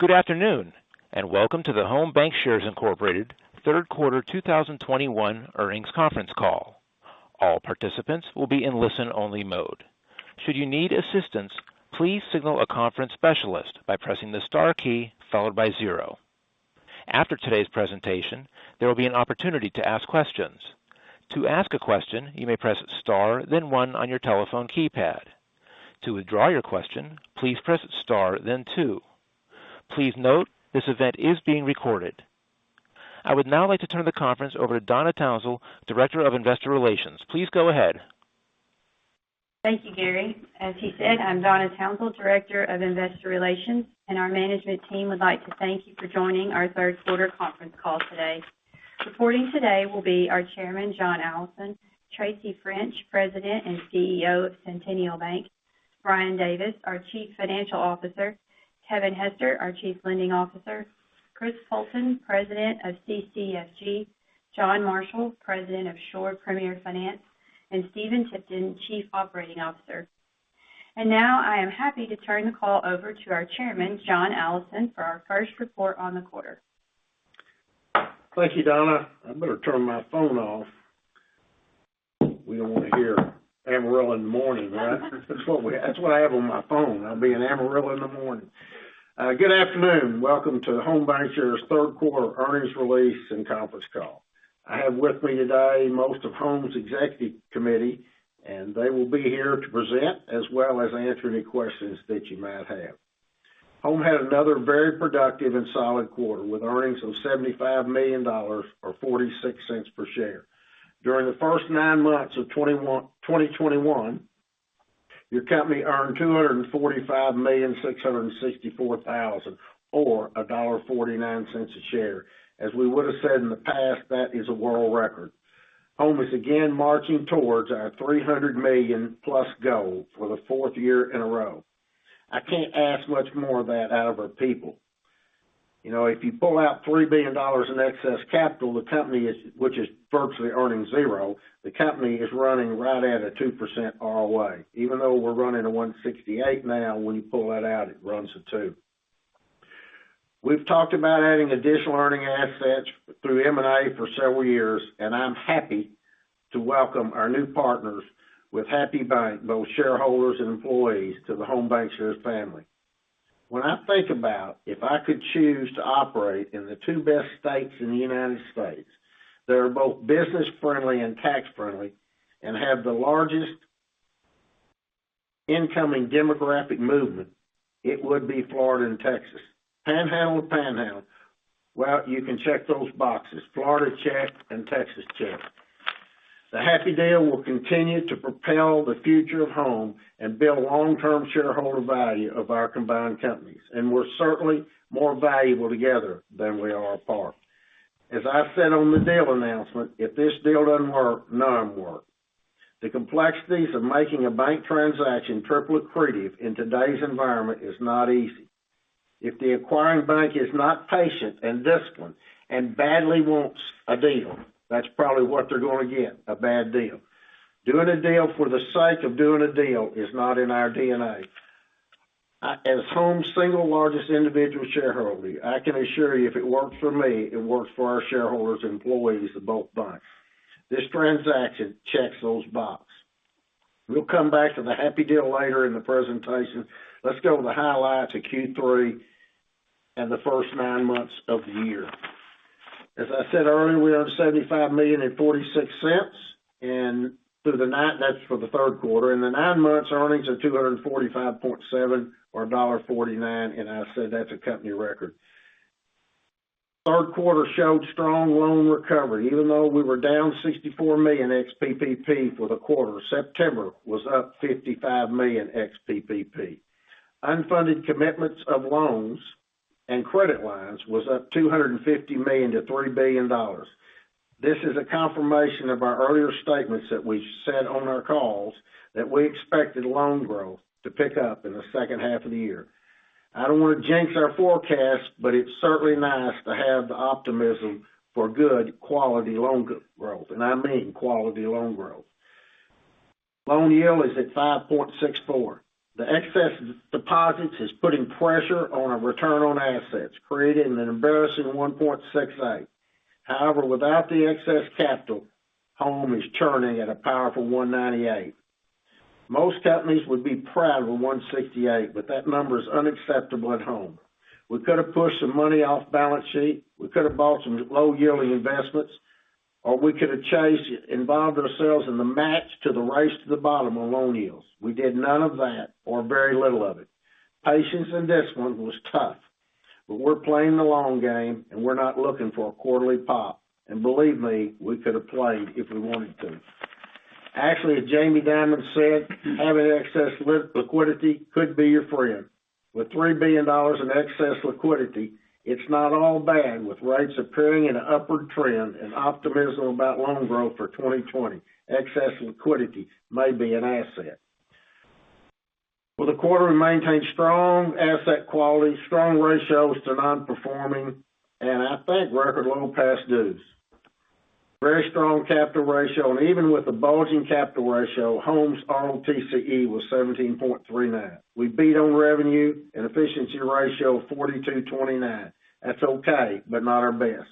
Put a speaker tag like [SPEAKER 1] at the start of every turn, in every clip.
[SPEAKER 1] Good afternoon, and welcome to the Home BancShares, Inc. third quarter 2021 earnings conference call. All participants will be in listen only mode. Should you need assistance, please signal a conference specialist by pressing the star key followed by zero. After today's presentation, there will be an opportunity to ask questions. To ask a question, you may press star, then one on your telephone keypad. To withdraw your question, please press star then two. Please note, this event is being recorded. I would now like to turn the conference over to Donna Townsell, Director of Investor Relations. Please go ahead.
[SPEAKER 2] Thank you, Gary. As he said, I'm Donna Townsell, Director of Investor Relations, and our management team would like to thank you for joining our third quarter conference call today. Reporting today will be our Chairman, John Allison, Tracy French, President and CEO of Centennial Bank, Brian Davis, our Chief Financial Officer, Kevin Hester, our Chief Lending Officer, Chris Poulton, President of CCFG, John Marshall, President of Shore Premier Finance, and Stephen Tipton, Chief Operating Officer. Now I am happy to turn the call over to our Chairman, John Allison, for our first report on the quarter.
[SPEAKER 3] Thank you, Donna. I better turn my phone off. We don't want to hear Amarillo in the morning, right? That's what I have on my phone. I'll be in Amarillo in the morning. Good afternoon. Welcome to Home BancShares' third quarter earnings release and conference call. I have with me today most of Home's executive committee. They will be here to present, as well as answer any questions that you might have. Home had another very productive and solid quarter, with earnings of $75 million or $0.46 per share. During the first nine months of 2021, your company earned $245,664,000, or $1.49 a share. As we would've said in the past, that is a world record. Home is again marching towards our $300+ million goal for the fourth year in a row. I can't ask much more of that out of our people. If you pull out $3 billion in excess capital, which is virtually earning zero, the company is running right at a 2% ROA. Even though we're running a $168 million now, when you pull that out, it runs a 2%. We've talked about adding additional earning assets through M&A for several years, and I'm happy to welcome our new partners with Happy Bank, both shareholders and employees, to the Home BancShares family. When I think about if I could choose to operate in the two best states in the United States, that are both business friendly and tax friendly, and have the largest incoming demographic movement, it would be Florida and Texas. Panhandle to Panhandle, well, you can check those boxes. Florida, check, and Texas, check. The Happy deal will continue to propel the future of Home and build long-term shareholder value of our combined companies. We're certainly more valuable together than we are apart. As I said on the deal announcement, if this deal doesn't work, none work. The complexities of making a bank transaction triple accretive in today's environment is not easy. If the acquiring bank is not patient and disciplined and badly wants a deal, that's probably what they're going to get, a bad deal. Doing a deal for the sake of doing a deal is not in our DNA. As Home's single largest individual shareholder, I can assure you, if it works for me, it works for our shareholders and employees of both banks. This transaction checks those box. We'll come back to the Happy deal later in the presentation. Let's go over the highlights of Q3 and the first nine months of the year. As I said earlier, we own $75 million in $0.46, and that's for the third quarter. In the nine months, earnings are $245.7 million or $1.49, and I said that's a company record. Third quarter showed strong loan recovery, even though we were down $64 million ex-PPP for the quarter. September was up $55 million ex-PPP. Unfunded commitments of loans and credit lines was up $250 million to $3 billion. This is a confirmation of our earlier statements that we said on our calls that we expected loan growth to pick up in the second half of the year. I don't want to jinx our forecast. It's certainly nice to have the optimism for good quality loan growth, and I mean quality loan growth. Loan yield is at 5.64%. The excess deposits is putting pressure on our return on assets, creating an embarrassing 1.68%. Without the excess capital, Home is churning at a powerful 1.98%. Most companies would be proud of a 1.68%, but that number is unacceptable at Home. We could have pushed some money off balance sheet, we could have bought some low yielding investments, or we could have chased it, involved ourselves in the match to the race to the bottom on loan yields. We did none of that, or very little of it. Patience in this one was tough. We're playing the long game, and we're not looking for a quarterly pop. Believe me, we could have played if we wanted to. Actually, as Jamie Dimon said, having excess liquidity could be your friend. With $3 billion in excess liquidity, it's not all bad with rates appearing in an upward trend and optimism about loan growth for 2020. Excess liquidity may be an asset. For the quarter, we maintained strong asset quality, strong ratios to non-performing, and I think record low past dues. Very strong capital ratio. Even with the bulging capital ratio, Home's ROTCE was 17.39%. We beat on revenue and efficiency ratio of 42.29%. That's okay. Not our best.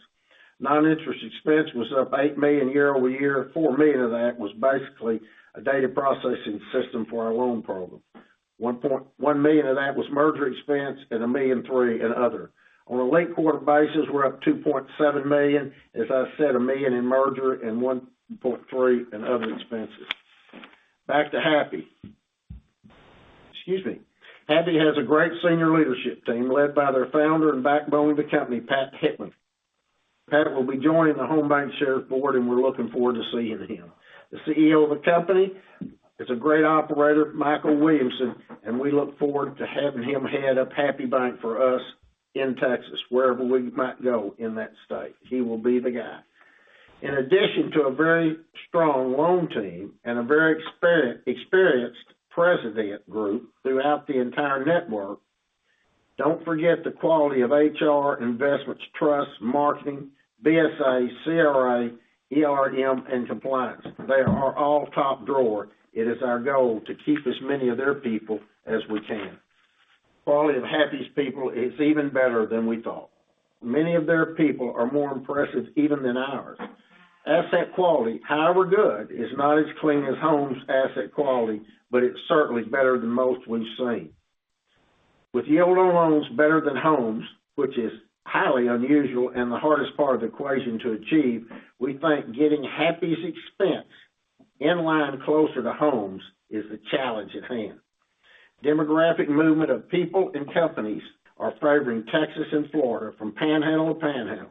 [SPEAKER 3] Non-interest expense was up $8 million year-over-year. $4 million of that was basically a data processing system for our loan program. $1.1 million of that was merger expense and a $1.3 million in other. On a linked quarter basis, we're up $2.7 million. As I said, $1 million in merger and $1.3 million in other expenses. Back to Happy. Excuse me. Happy has a great senior leadership team led by their Founder and backbone of the company, Pat Hickman. Pat will be joining the Home BancShares Board, and we're looking forward to seeing him. The CEO of the company is a great operator, Mikel Williamson, and we look forward to having him head up Happy Bank for us in Texas, wherever we might go in that state. He will be the guy. In addition to a very strong loan team and a very experienced president group throughout the entire network, don't forget the quality of HR, investments, trusts, marketing, BSA, CRA, ERM, and compliance. They are all top drawer. It is our goal to keep as many of their people as we can. Quality of Happy's people is even better than we thought. Many of their people are more impressive even than ours. Asset quality, however good, is not as clean as Home's asset quality, but it's certainly better than most we've seen. With yield on loans better than Home's, which is highly unusual and the hardest part of the equation to achieve, we think getting Happy's expense in line closer to Home's is the challenge at hand. Demographic movement of people and companies are favoring Texas and Florida from Panhandle to Panhandle.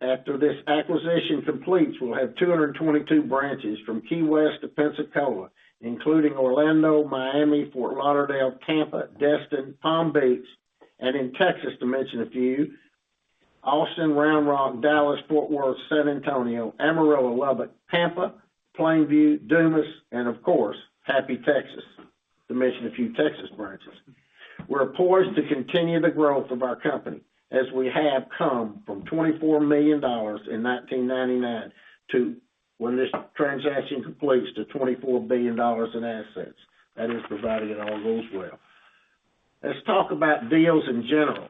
[SPEAKER 3] After this acquisition completes, we'll have 222 branches from Key West to Pensacola, including Orlando, Miami, Fort Lauderdale, Tampa, Destin, Palm Beach. In Texas, to mention a few, Austin, Round Rock, Dallas-Fort Worth, San Antonio, Amarillo, Lubbock, Tampa, Plainview, Dumas, and of course, Happy, Texas, to mention a few Texas branches. We're poised to continue the growth of our company as we have come from $24 million in 1999 to, when this transaction completes, to $24 billion in assets. That is providing it all goes well. Let's talk about deals in general.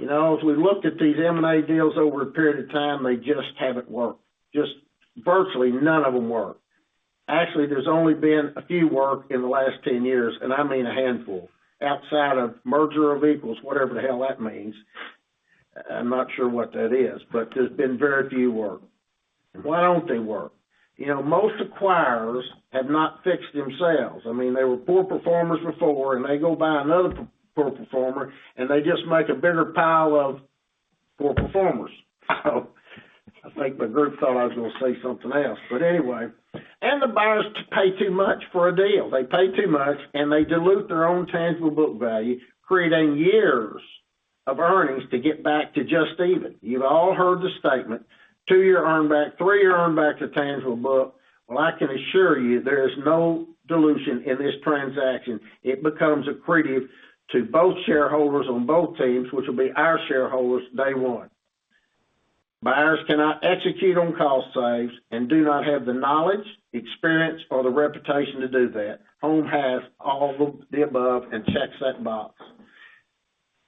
[SPEAKER 3] As we looked at these M&A deals over a period of time, they just haven't worked. Just virtually none of them work. Actually, there's only been a few work in the last 10 years, and I mean a handful, outside of merger of equals, whatever the hell that means. I'm not sure what that is, but there's been very few work. Why don't they work? Most acquirers have not fixed themselves. They were poor performers before, and they go buy another poor performer, and they just make a bigger pile of poor performers. I think the group thought I was going to say something else, but anyway. The buyers pay too much for a deal. They pay too much, and they dilute their own tangible book value, creating years of earnings to get back to just even. You've all heard the statement, two-year earn back, three-year earn back to tangible book. I can assure you there is no dilution in this transaction. It becomes accretive to both shareholders on both teams, which will be our shareholders day one. Buyers cannot execute on cost saves and do not have the knowledge, experience, or the reputation to do that. Home has all of the above and checks that box.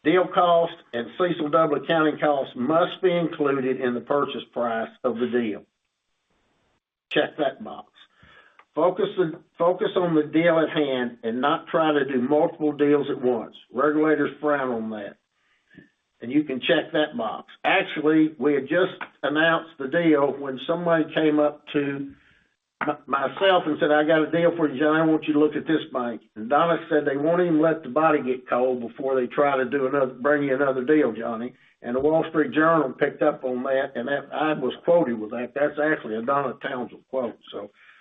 [SPEAKER 3] Deal cost and CECL double accounting costs must be included in the purchase price of the deal. Check that box. Focus on the deal at hand and not try to do multiple deals at once. Regulators frown on that, and you can check that box. Actually, we had just announced the deal when somebody came up to myself and said, "I got a deal for you, John. I want you to look at this bank." Donna said, "They won't even let the body get cold before they try to bring you another deal, Johnny." The Wall Street Journal picked up on that, and I was quoted with that. That's actually a Donna Townsell quote.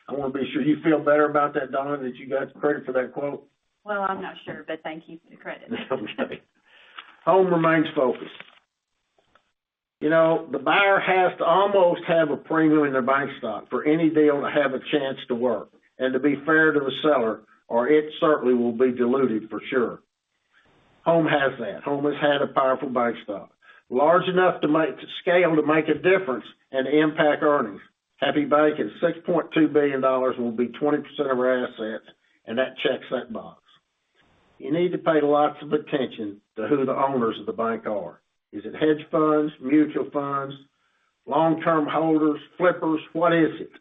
[SPEAKER 3] I want to be sure you feel better about that, Donna, that you got the credit for that quote.
[SPEAKER 2] Well, I'm not sure, but thank you for the credit.
[SPEAKER 3] Home remains focused. The buyer has to almost have a premium in their bank stock for any deal to have a chance to work, and to be fair to the seller, or it certainly will be diluted for sure. Home has that. Home has had a powerful bank stock, large enough to scale to make a difference and impact earnings. Happy Bank is $6.2 billion, will be 20% of our assets, that checks that box. You need to pay lots of attention to who the owners of the bank are. Is it hedge funds, mutual funds, long-term holders, flippers? What is it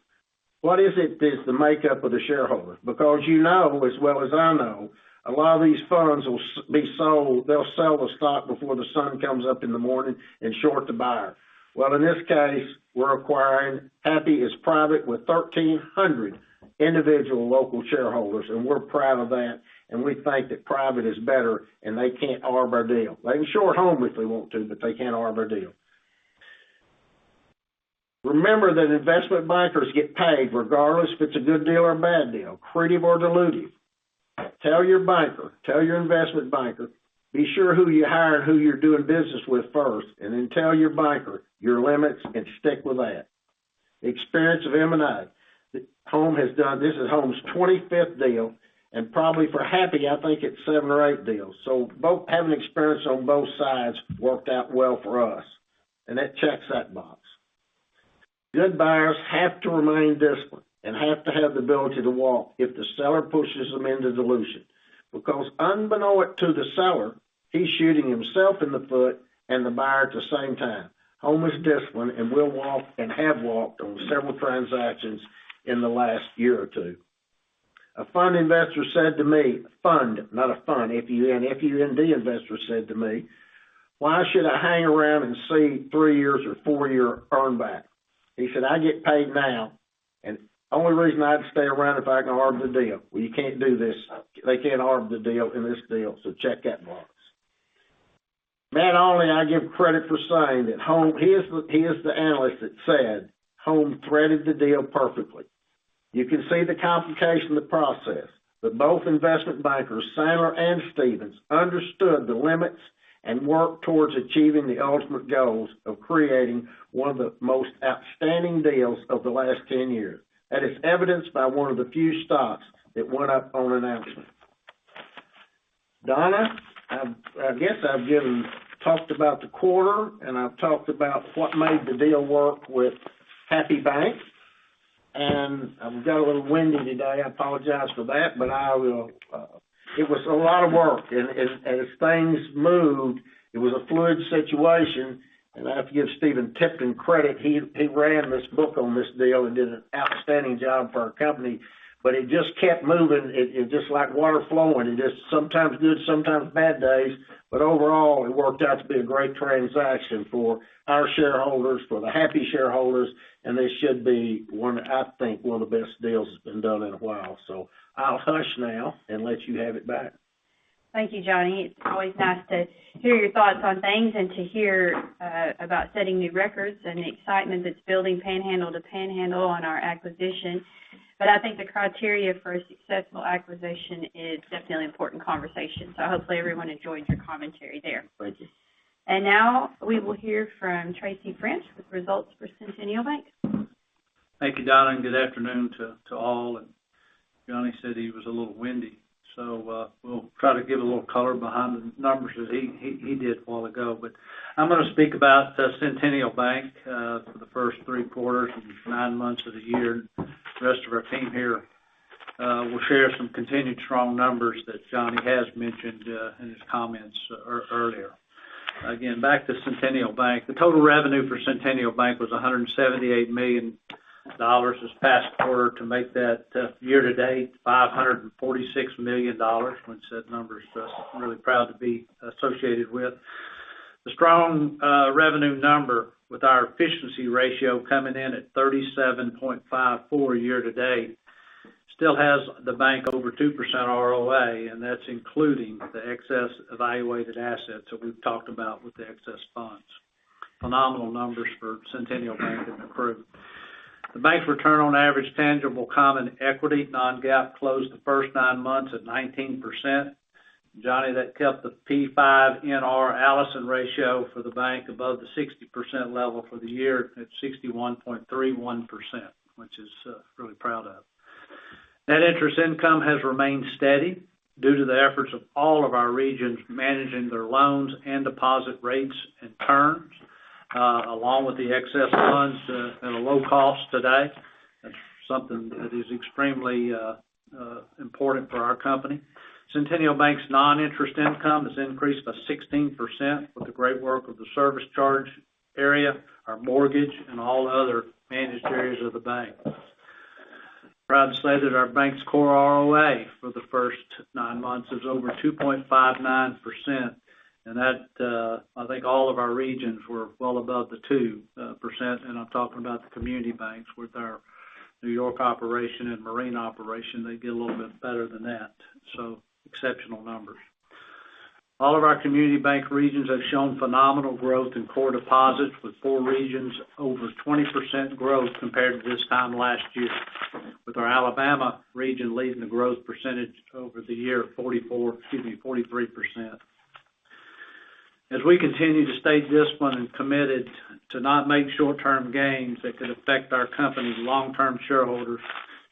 [SPEAKER 3] that's the makeup of the shareholder? You know as well as I know, a lot of these funds, they'll sell the stock before the sun comes up in the morning and short the buyer. In this case, we're acquiring. Happy is private with 1,300 individual local shareholders, and we're proud of that, and we think that private is better, and they can't arb our deal. They can short Home if they want to, but they can't arb our deal. Remember that investment bankers get paid regardless if it's a good deal or a bad deal, accretive or dilutive. Tell your banker, tell your investment banker, be sure who you hire and who you're doing business with first, and then tell your banker your limits and stick with that. Experience of M&A that Home has done. This is Home's 25th deal, and probably for Happy, I think it's seven or eight deals. Having experience on both sides worked out well for us, and that checks that box. Good buyers have to remain disciplined and have to have the ability to walk if the seller pushes them into dilution. Unbeknown to the seller, he's shooting himself in the foot and the buyer at the same time. Home is disciplined and will walk and have walked on several transactions in the last year or two. A fund investor said to me, fund, not a fun, F-U-N. A fund investor said to me, "Why should I hang around and see three years or four-year earn back?" He said, "I get paid now, and only reason I'd stay around if I can earn the deal." Well, you can't do this. They can't earn the deal in this deal, so check that box. Matt Olney, I give credit for saying that. He is the analyst that said Home threaded the deal perfectly. You can see the complication of the process. Both investment bankers, Sandler and Stephens, understood the limits and worked towards achieving the ultimate goals of creating one of the most outstanding deals of the last 10 years. That is evidenced by one of the few stocks that went up on announcement. Donna, I guess I've talked about the quarter, and I've talked about what made the deal work with Happy Bank. I've got a little windy today, I apologize for that, but it was a lot of work. As things moved, it was a fluid situation. I have to give Stephen Tipton credit. He ran this book on this deal and did an outstanding job for our company. It just kept moving. It just like water flowing. It just sometimes good, sometimes bad days, overall, it worked out to be a great transaction for our shareholders, for the Happy shareholders, and this should be, I think, one of the best deals that's been done in a while. I'll hush now and let you have it back.
[SPEAKER 2] Thank you, Johnny. It's always nice to hear your thoughts on things and to hear about setting new records and the excitement that's building Panhandle to Panhandle on our acquisition. I think the criteria for a successful acquisition is definitely an important conversation. Hopefully everyone enjoyed your commentary there. Now we will hear from Tracy French with results for Centennial Bank.
[SPEAKER 4] Thank you, Donna, and good afternoon to all. Johnny said he was a little windy, so we'll try to give a little color behind the numbers as he did a while ago. I'm going to speak about Centennial Bank for the first three quarters and nine months of the year. The rest of our team here will share some continued strong numbers that Johnny has mentioned in his comments earlier. Again, back to Centennial Bank. The total revenue for Centennial Bank was $178 million this past quarter to make that year to date, $546 million, which set numbers just really proud to be associated with. The strong revenue number with our efficiency ratio coming in at 37.54% year to date still has the bank over 2% ROA, and that's including the excess evaluated assets that we've talked about with the excess funds. Phenomenal numbers for Centennial Bank and the crew. The bank's return on average tangible common equity non-GAAP closed the first nine months at 19%. Johnny, that kept the P5NR Allison ratio for the bank above the 60% level for the year at 61.31%, which is really proud of. Net interest income has remained steady due to the efforts of all of our regions managing their loans and deposit rates and terms, along with the excess funds at a low cost today. That's something that is extremely important for our company. Centennial Bank's non-interest income has increased by 16% with the great work of the service charge area, our mortgage, and all other managed areas of the bank. Proud to say that our bank's core ROA for the first nine months is over 2.59%, and that I think all of our regions were well above the 2%, and I'm talking about the Community Banks. With our New York operation and Marine operation, they did a little bit better than that. Exceptional numbers. All of our Community Bank regions have shown phenomenal growth in core deposits, with four regions over 20% growth compared to this time last year, with our Alabama region leading the growth percentage over the year of 43%. As we continue to stay disciplined and committed to not make short-term gains that could affect our company's long-term shareholders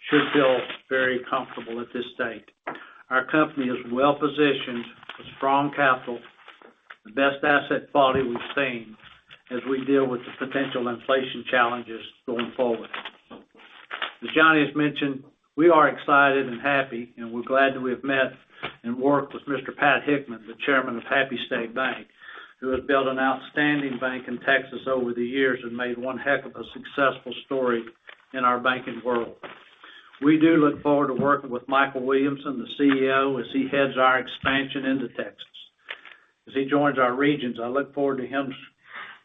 [SPEAKER 4] should feel very comfortable at this state. Our company is well-positioned with strong capital, the best asset quality we've seen as we deal with the potential inflation challenges going forward. As Johnny has mentioned, we are excited and happy, and we're glad that we have met and worked with Pat Hickman, the Chairman of Happy State Bank, who has built an outstanding bank in Texas over the years and made one heck of a successful story in our banking world. We do look forward to working with Mikel Williamson, the CEO, as he heads our expansion into Texas. As he joins our regions, I look forward to him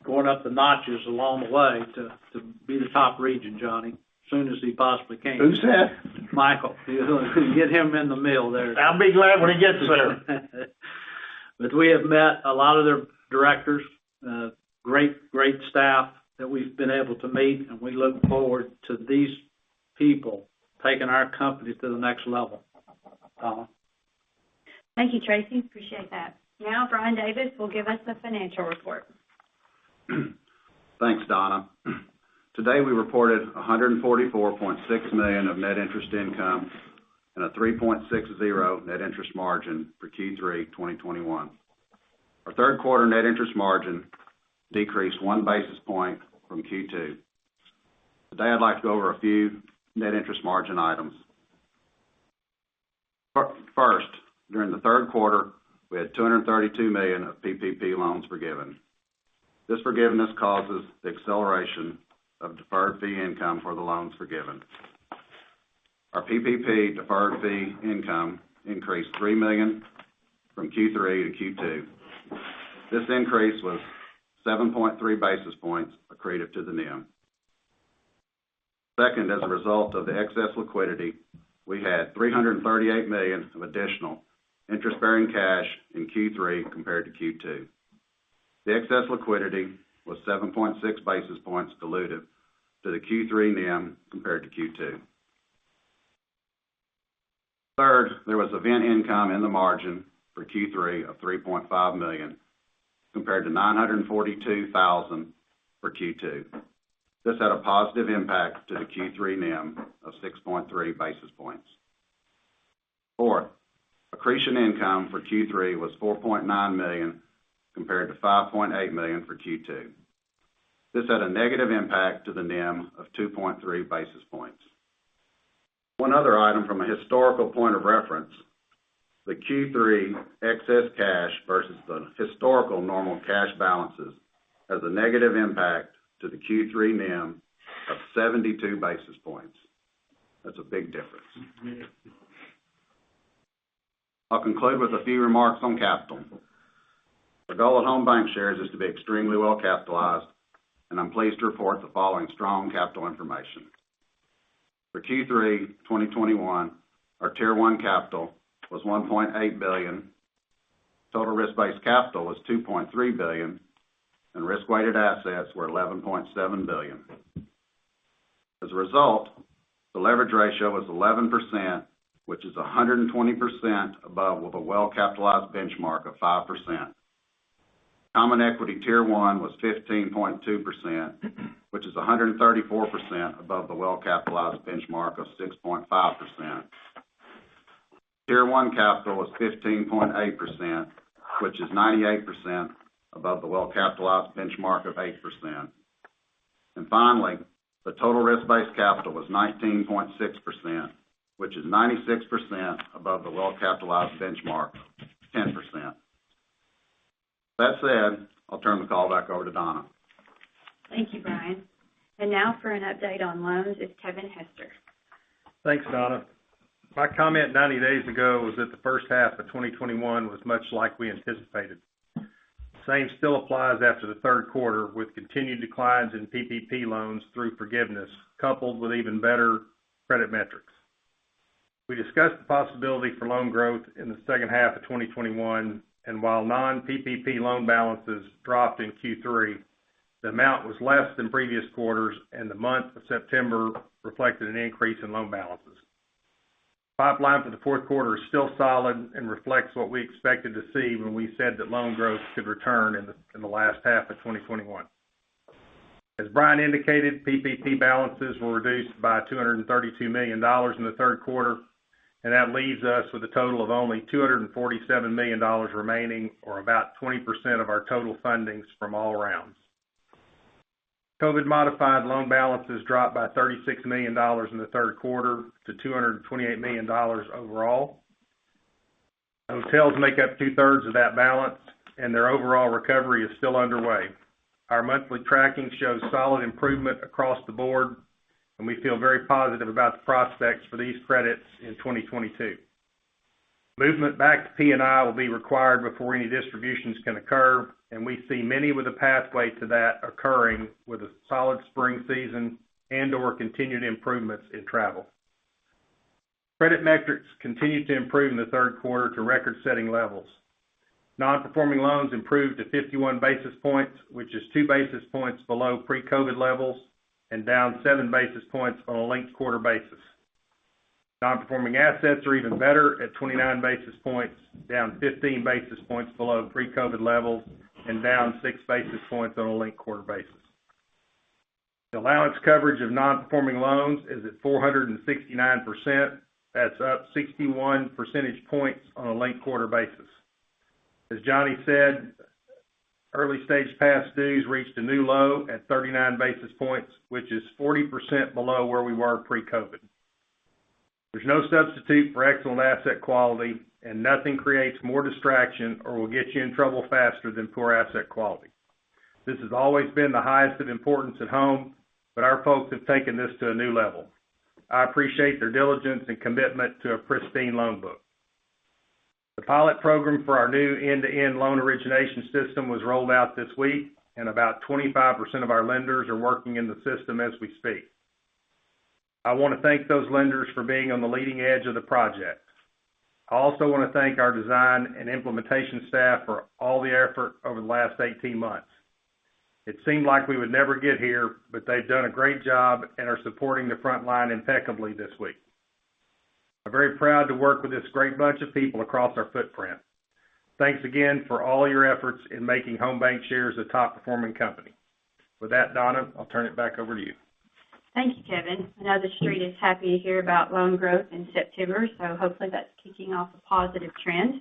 [SPEAKER 4] going up the notches along the way to be the top region, Johnny, as soon as he possibly can.
[SPEAKER 3] Who said?
[SPEAKER 4] Mikel. Get him in the mail there.
[SPEAKER 3] I'll be glad when he gets there.
[SPEAKER 4] We have met a lot of their directors, great staff that we've been able to meet, and we look forward to these people taking our company to the next level. Donna?
[SPEAKER 2] Thank you, Tracy. Appreciate that. Now Brian Davis will give us the financial report.
[SPEAKER 5] Thanks, Donna. Today we reported $144.6 million of net interest income and a 3.60% net interest margin for Q3 2021. Our third quarter net interest margin decreased 1 basis point from Q2. Today, I'd like to go over a few net interest margin items. First, during the third quarter, we had $232 million of PPP loans forgiven. This forgiveness causes the acceleration of deferred fee income for the loans forgiven. Our PPP deferred fee income increased $3 million from Q3 to Q2. This increase was 7.3 basis points accreted to the NIM. Second, as a result of the excess liquidity, we had $338 million of additional interest-bearing cash in Q3 compared to Q2. The excess liquidity was 7.6 basis points dilutive to the Q3 NIM compared to Q2. Third, there was event income in the margin for Q3 of $3.5 million, compared to $942,000 for Q2. This had a positive impact to the Q3 NIM of 6.3 basis points. Fourth, accretion income for Q3 was $4.9 million, compared to $5.8 million for Q2. This had a negative impact to the NIM of 2.3 basis points. One other item from a historical point of reference, the Q3 excess cash versus the historical normal cash balances has a negative impact to the Q3 NIM of 72 basis points. That's a big difference. I'll conclude with a few remarks on capital. The goal at Home BancShares is to be extremely well capitalized, and I'm pleased to report the following strong capital information. For Q3 2021, our Tier 1 capital was $1.8 billion, total risk-based capital was $2.3 billion, and risk-weighted assets were $11.7 billion. As a result, the leverage ratio was 11%, which is 120% above with a well-capitalized benchmark of 5%. Common equity Tier 1 was 15.2%, which is 134% above the well-capitalized benchmark of 6.5%. Tier 1 capital was 15.8%, which is 98% above the well-capitalized benchmark of 8%. Finally, the total risk-based capital was 19.6%, which is 96% above the well-capitalized benchmark of 10%. That said, I'll turn the call back over to Donna.
[SPEAKER 2] Thank you, Brian. Now for an update on loans, it's Kevin Hester.
[SPEAKER 6] Thanks, Donna. My comment 90 days ago was that the first half of 2021 was much like we anticipated. Same still applies after the third quarter, with continued declines in PPP loans through forgiveness, coupled with even better credit metrics. We discussed the possibility for loan growth in the second half of 2021, and while non-PPP loan balances dropped in Q3, the amount was less than previous quarters, and the month of September reflected an increase in loan balances. Pipeline for the fourth quarter is still solid and reflects what we expected to see when we said that loan growth could return in the last half of 2021. As Brian indicated, PPP balances were reduced by $232 million in the third quarter, and that leaves us with a total of only $247 million remaining or about 20% of our total fundings from all rounds. COVID-modified loan balances dropped by $36 million in the third quarter to $228 million overall. Hotels make up 2/3 of that balance, and their overall recovery is still underway. Our monthly tracking shows solid improvement across the board, and we feel very positive about the prospects for these credits in 2022. Movement back to P&I will be required before any distributions can occur, and we see many with a pathway to that occurring with a solid spring season and/or continued improvements in travel. Credit metrics continued to improve in the third quarter to record-setting levels. Non-performing loans improved to 51 basis points, which is 2 basis points below pre-COVID levels and down 7 basis points on a linked-quarter basis. Non-performing assets are even better at 29 basis points, down 15 basis points below pre-COVID levels and down 6 basis points on a linked-quarter basis. The allowance coverage of non-performing loans is at 469%. That's up 61 percentage points on a linked-quarter basis. As Johnny said, early stage past dues reached a new low at 39 basis points, which is 40% below where we were pre-COVID. There's no substitute for excellent asset quality and nothing creates more distraction or will get you in trouble faster than poor asset quality. This has always been the highest of importance at Home, but our folks have taken this to a new level. I appreciate their diligence and commitment to a pristine loan book. The pilot program for our new end-to-end loan origination system was rolled out this week, and about 25% of our lenders are working in the system as we speak. I want to thank those lenders for being on the leading edge of the project. I also want to thank our design and implementation staff for all the effort over the last 18 months. It seemed like we would never get here, but they've done a great job and are supporting the front line impeccably this week. I'm very proud to work with this great bunch of people across our footprint. Thanks again for all your efforts in making Home BancShares a top-performing company. With that, Donna, I'll turn it back over to you.
[SPEAKER 2] Thank you, Kevin. I know the Street is happy to hear about loan growth in September, so hopefully that's kicking off a positive trend.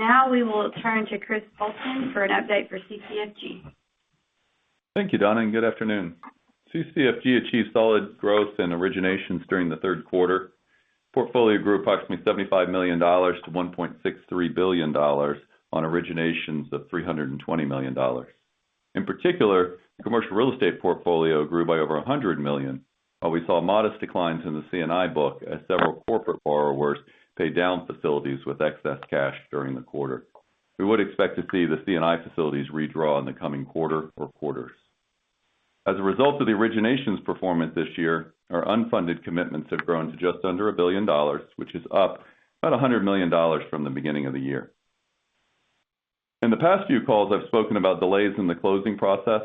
[SPEAKER 2] Now we will turn to Chris Poulton for an update for CCFG.
[SPEAKER 7] Thank you, Donna, good afternoon. CCFG achieved solid growth in originations during the third quarter. Portfolio grew approximately $75 million to $1.63 billion on originations of $320 million. In particular, commercial real estate portfolio grew by over $100 million, while we saw modest declines in the C&I book as several corporate borrowers paid down facilities with excess cash during the quarter. We would expect to see the C&I facilities redraw in the coming quarter or quarters. As a result of the originations performance this year, our unfunded commitments have grown to just under $1 billion, which is up about $100 million from the beginning of the year. In the past few calls, I've spoken about delays in the closing process.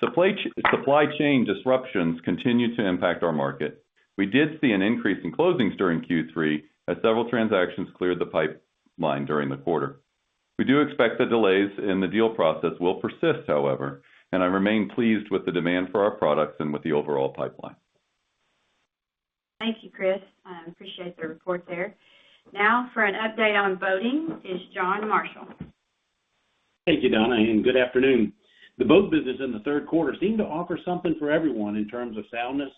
[SPEAKER 7] Supply chain disruptions continue to impact our market. We did see an increase in closings during Q3, as several transactions cleared the pipeline during the quarter. We do expect the delays in the deal process will persist, however, and I remain pleased with the demand for our products and with the overall pipeline.
[SPEAKER 2] Thank you, Chris. I appreciate the report there. Now for an update on boating is John Marshall.
[SPEAKER 8] Thank you, Donna, and good afternoon. The boat business in the third quarter seemed to offer something for everyone in terms of soundness,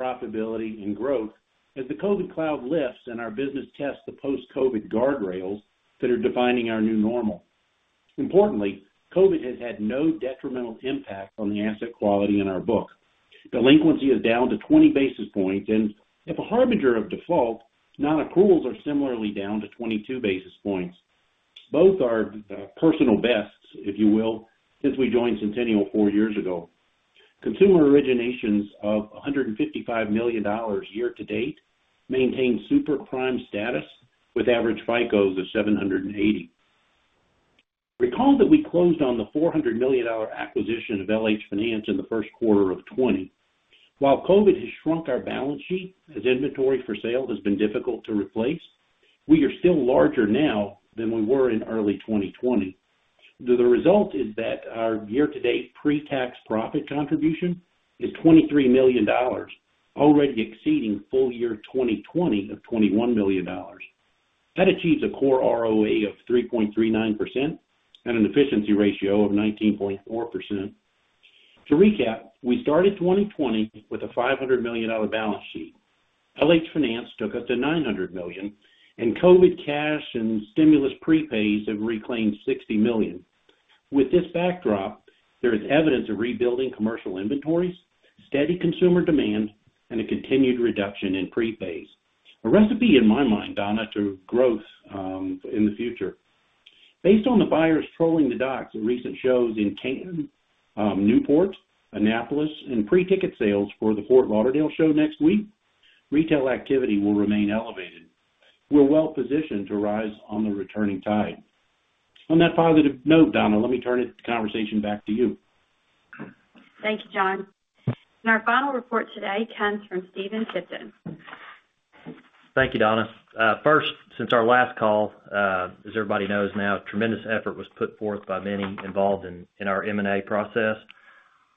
[SPEAKER 8] profitability, and growth as the COVID cloud lifts and our business tests the post-COVID guardrails that are defining our new normal. Importantly, COVID has had no detrimental impact on the asset quality in our book. Delinquency is down to 20 basis points, and if a harbinger of default, non-approvals are similarly down to 22 basis points. Both are personal bests, if you will, since we joined Centennial four years ago. Consumer originations of $155 million year to date maintained super prime status with average FICOs of 780. Recall that we closed on the $400 million acquisition of LH-Finance in the first quarter of 2020. While COVID has shrunk our balance sheet, as inventory for sale has been difficult to replace, we are still larger now than we were in early 2020. The result is that our year-to-date pre-tax profit contribution is $23 million, already exceeding full year 2020 of $21 million. That achieves a core ROA of 3.39% and an efficiency ratio of 19.4%. To recap, we started 2020 with a $500 million balance sheet. LH-Finance took us to $900 million, and COVID cash and stimulus prepays have reclaimed $60 million. With this backdrop, there is evidence of rebuilding commercial inventories, steady consumer demand, and a continued reduction in prepays. A recipe, in my mind, Donna, to growth in the future. Based on the buyers trolling the docks at recent shows in Cannes, Newport, Annapolis, and pre-ticket sales for the Fort Lauderdale show next week, retail activity will remain elevated. We're well positioned to rise on the returning tide. On that positive note, Donna, let me turn this conversation back to you.
[SPEAKER 2] Thank you, John. Our final report today comes from Stephen Tipton.
[SPEAKER 9] Thank you, Donna. First, since our last call, as everybody knows now, tremendous effort was put forth by many involved in our M&A process.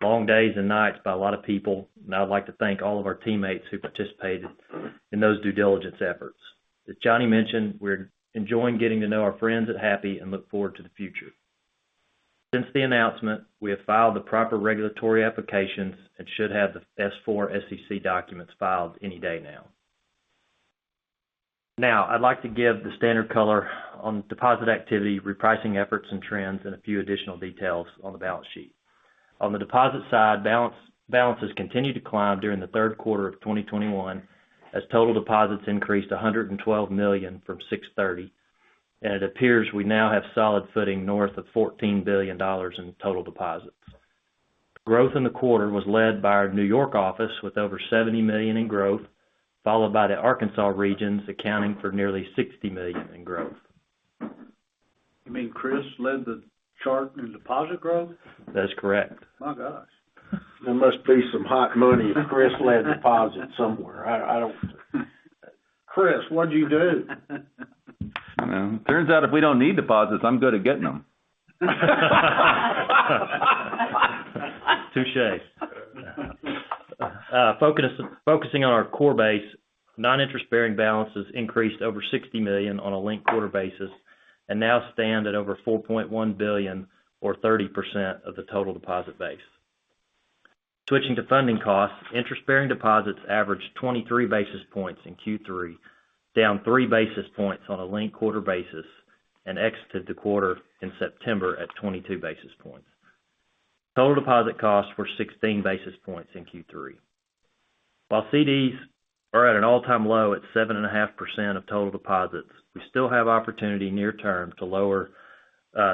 [SPEAKER 9] Long days and nights by a lot of people. I'd like to thank all of our teammates who participated in those due diligence efforts. As Johnny mentioned, we're enjoying getting to know our friends at Happy and look forward to the future. Since the announcement, we have filed the proper regulatory applications and should have the S-4 SEC documents filed any day now. I'd like to give the standard color on deposit activity, repricing efforts and trends, and a few additional details on the balance sheet. On the deposit side, balances continued to climb during the third quarter of 2021, as total deposits increased $112 million from $630 million. It appears we now have solid footing north of $14 billion in total deposits. Growth in the quarter was led by our New York office with over $70 million in growth, followed by the Arkansas regions accounting for nearly $60 million in growth.
[SPEAKER 3] You mean Chris led the chart in deposit growth?
[SPEAKER 9] That is correct.
[SPEAKER 3] My gosh.
[SPEAKER 5] There must be some hot money if Chris led deposits somewhere. I don't
[SPEAKER 3] Chris, what'd you do?
[SPEAKER 7] I know. Turns out if we don't need deposits, I'm good at getting them.
[SPEAKER 9] Touche. Focusing on our core base, non-interest-bearing balances increased over $60 million on a linked quarter basis and now stand at over $4.1 billion or 30% of the total deposit base. Switching to funding costs, interest-bearing deposits averaged 23 basis points in Q3, down 3 basis points on a linked quarter basis, and exited the quarter in September at 22 basis points. Total deposit costs were 16 basis points in Q3. While CDs are at an all-time low at 7.5% of total deposits, we still have opportunity near term to lower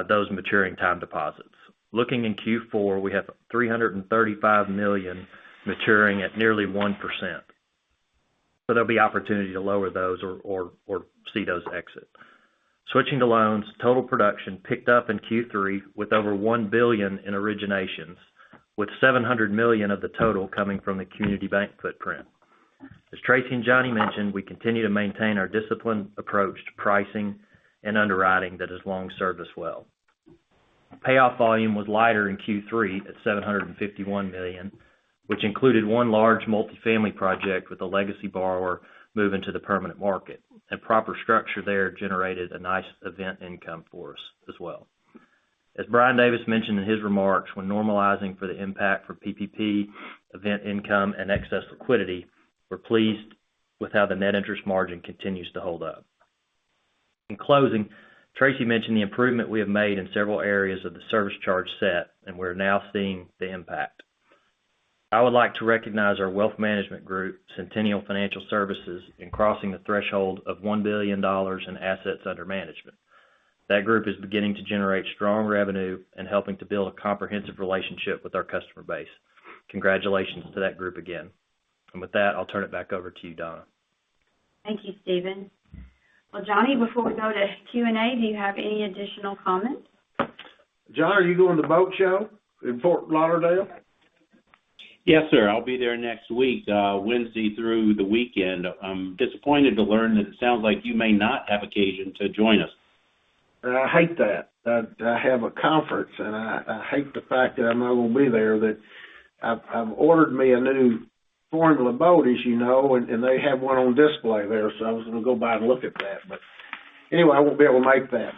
[SPEAKER 9] those maturing time deposits. Looking in Q4, we have $335 million maturing at nearly 1%. There'll be opportunity to lower those or see those exit. Switching to loans, total production picked up in Q3 with over $1 billion in originations, with $700 million of the total coming from the Community Bank footprint. As Tracy and John mentioned, we continue to maintain our disciplined approach to pricing and underwriting that has long served us well. Payoff volume was lighter in Q3 at $751 million, which included one large multifamily project with a legacy borrower moving to the permanent market. A proper structure there generated a nice event income for us as well. As Brian Davis mentioned in his remarks, when normalizing for the impact for PPP, event income, and excess liquidity, we're pleased with how the net interest margin continues to hold up. In closing, Tracy mentioned the improvement we have made in several areas of the service charge set, and we're now seeing the impact. I would like to recognize our wealth management group, Centennial Financial Services, in crossing the threshold of $1 billion in assets under management. That group is beginning to generate strong revenue and helping to build a comprehensive relationship with our customer base. Congratulations to that group again. With that, I'll turn it back over to you, Donna.
[SPEAKER 2] Thank you, Stephen. Well, Johnny, before we go to Q&A, do you have any additional comments?
[SPEAKER 3] John, are you going to the Boat Show in Fort Lauderdale?
[SPEAKER 8] Yes, sir. I'll be there next week, Wednesday through the weekend. I'm disappointed to learn that it sounds like you may not have occasion to join us.
[SPEAKER 3] I hate that. I have a conference, and I hate the fact that I'm not going to be there, that I've ordered me a new Formula boat, as you know, and they have one on display there, so I was going to go by and look at that. Anyway, I won't be able to make that.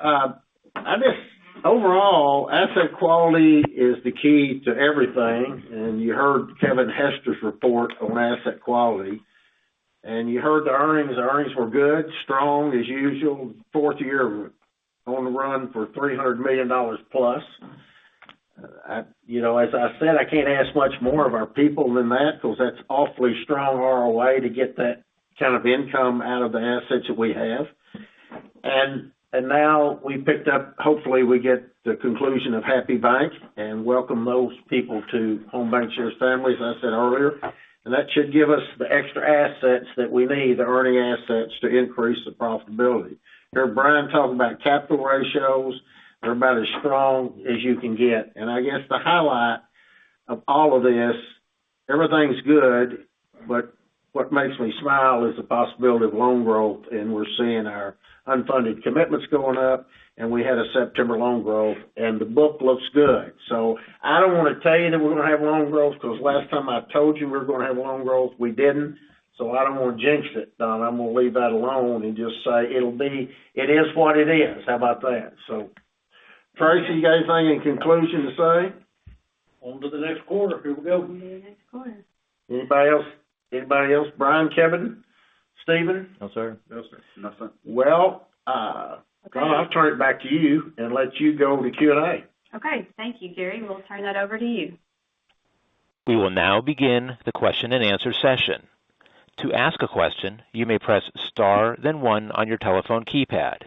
[SPEAKER 3] I guess, overall, asset quality is the key to everything, and you heard Kevin Hester's report on asset quality. You heard the earnings. The earnings were good, strong as usual, fourth year on the run for $300+ million. As I said, I can't ask much more of our people than that because that's awfully strong ROI to get that kind of income out of the assets that we have. Now we picked up, hopefully, we get the conclusion of Happy Bank and welcome those people to Home BancShares family, as I said earlier. That should give us the extra assets that we need, the earning assets to increase the profitability. You heard Brian talk about capital ratios. They're about as strong as you can get. I guess the highlight of all of this, everything's good, but what makes me smile is the possibility of loan growth, and we're seeing our unfunded commitments going up, and we had a September loan growth, and the book looks good. I don't want to tell you that we're going to have loan growth because last time I told you we were going to have loan growth, we didn't. I don't want to jinx it, Don. I'm going to leave that alone and just say it is what it is. How about that? Tracy, you got anything in conclusion to say?
[SPEAKER 4] On to the next quarter. Here we go.
[SPEAKER 2] On to the next quarter.
[SPEAKER 3] Anybody else? Brian, Kevin, Stephen?
[SPEAKER 9] No, sir.
[SPEAKER 5] No, sir.
[SPEAKER 6] Nothing.
[SPEAKER 3] Well, Donna, I'll turn it back to you and let you go to Q&A.
[SPEAKER 2] Okay. Thank you, Gary. We'll turn that over to you.
[SPEAKER 1] We will now begin the question-and-answer session. To ask a question, you may press star, then one on your telephone keypad.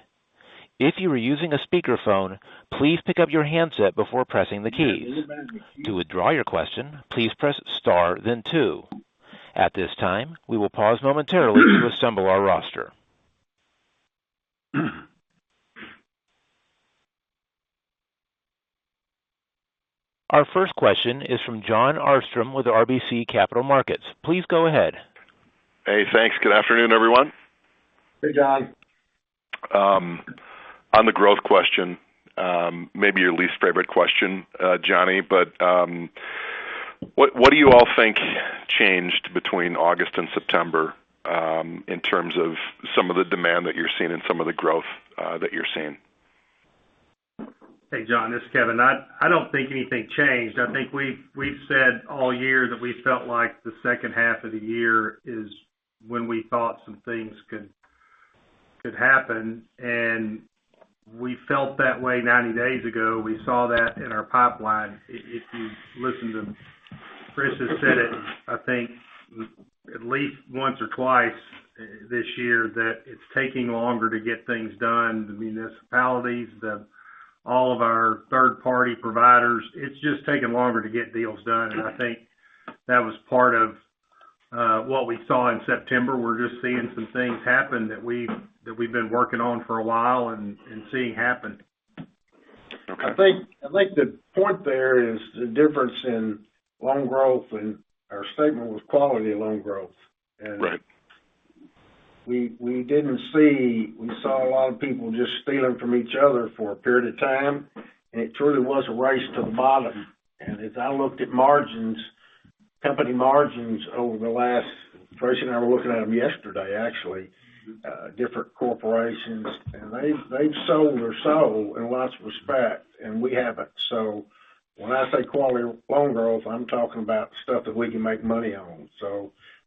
[SPEAKER 1] If you are using a speakerphone, please pick up your handset before pressing the keys. To withdraw your question, please press star then two. At this time, we will pause momentarily to assemble our roster. Our first question is from Jon Arfstrom with RBC Capital Markets. Please go ahead.
[SPEAKER 10] Hey, thanks. Good afternoon, everyone.
[SPEAKER 3] Hey, John.
[SPEAKER 10] On the growth question, maybe your least favorite question, Jon, but what do you all think changed between August and September, in terms of some of the demand that you're seeing and some of the growth that you're seeing?
[SPEAKER 6] Hey, Jon, this is Kevin. I don't think anything changed. I think we've said all year that we felt like the second half of the year is when we thought some things could happen, and we felt that way 90 days ago. We saw that in our pipeline. If you listen to Chris has said it, I think at least once or twice this year, that it's taking longer to get things done, the municipalities, all of our third-party providers. It's just taking longer to get deals done, and I think that was part of what we saw in September. We're just seeing some things happen that we've been working on for a while and seeing happen.
[SPEAKER 10] Okay.
[SPEAKER 3] I think the point there is the difference in loan growth and our statement was quality loan growth.
[SPEAKER 10] Right.
[SPEAKER 3] We saw a lot of people just stealing from each other for a period of time, and it truly was a race to the bottom. As I looked at margins, company margins over the last Tracy and I were looking at them yesterday, actually, different corporations, and they've sold their soul in lots of respect, and we haven't. When I say quality loan growth, I am talking about stuff that we can make money on.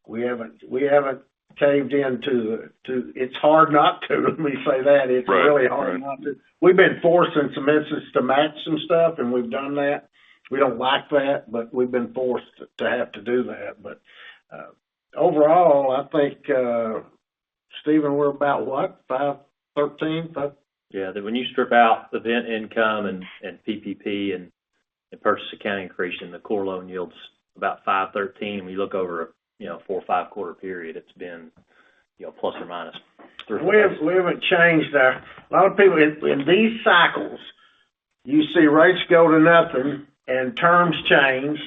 [SPEAKER 3] We haven't caved in. It is hard not to, let me say that.
[SPEAKER 10] Right.
[SPEAKER 3] It's really hard not to. We've been forced in some instances to match some stuff, and we've done that. We don't like that, but we've been forced to have to do that. Overall, I think Stephen, we're about what? 5.13%?
[SPEAKER 9] Yeah. When you strip out event income and PPP and purchase accounting increase then the core loan yield's about 5.13%. When you look over a four or five quarter period, it's been plus or minus.
[SPEAKER 3] We haven't changed there. In these cycles, you see rates go to nothing and terms change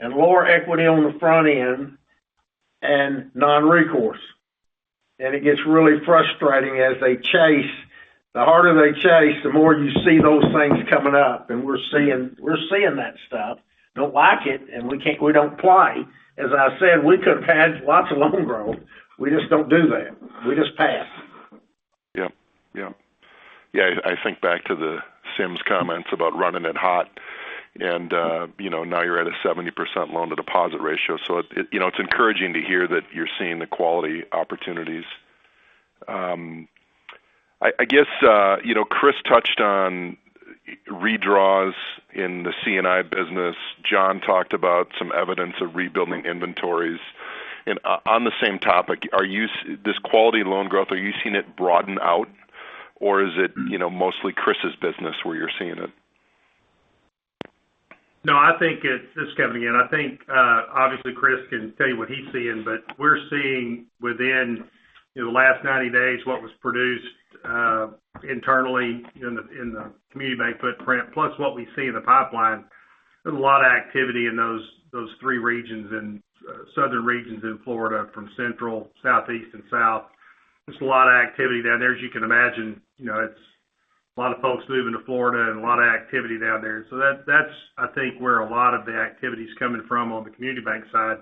[SPEAKER 3] and lower equity on the front end and non-recourse. It gets really frustrating as they chase. The harder they chase, the more you see those things coming up, and we're seeing that stuff. Don't like it, we don't play. As I said, we could have had lots of loan growth. We just don't do that. We just pass.
[SPEAKER 10] Yeah, I think back to the Sims comments about running it hot and now you're at a 70% loan to deposit ratio, so it's encouraging to hear that you're seeing the quality opportunities. I guess, Chris touched on redraws in the C&I business. John talked about some evidence of rebuilding inventories. On the same topic, this quality loan growth, are you seeing it broaden out, or is it mostly Chris' business where you're seeing it?
[SPEAKER 6] This is Kevin again. I think, obviously, Chris can tell you what he's seeing, but we're seeing within the last 90 days what was produced internally in the Community Bank footprint, plus what we see in the pipeline. There's a lot of activity in those three regions in southern regions in Florida from central, southeast, and south. There's a lot of activity down there, as you can imagine. It's a lot of folks moving to Florida and a lot of activity down there. That's, I think, where a lot of the activity is coming from on the Community Bank side.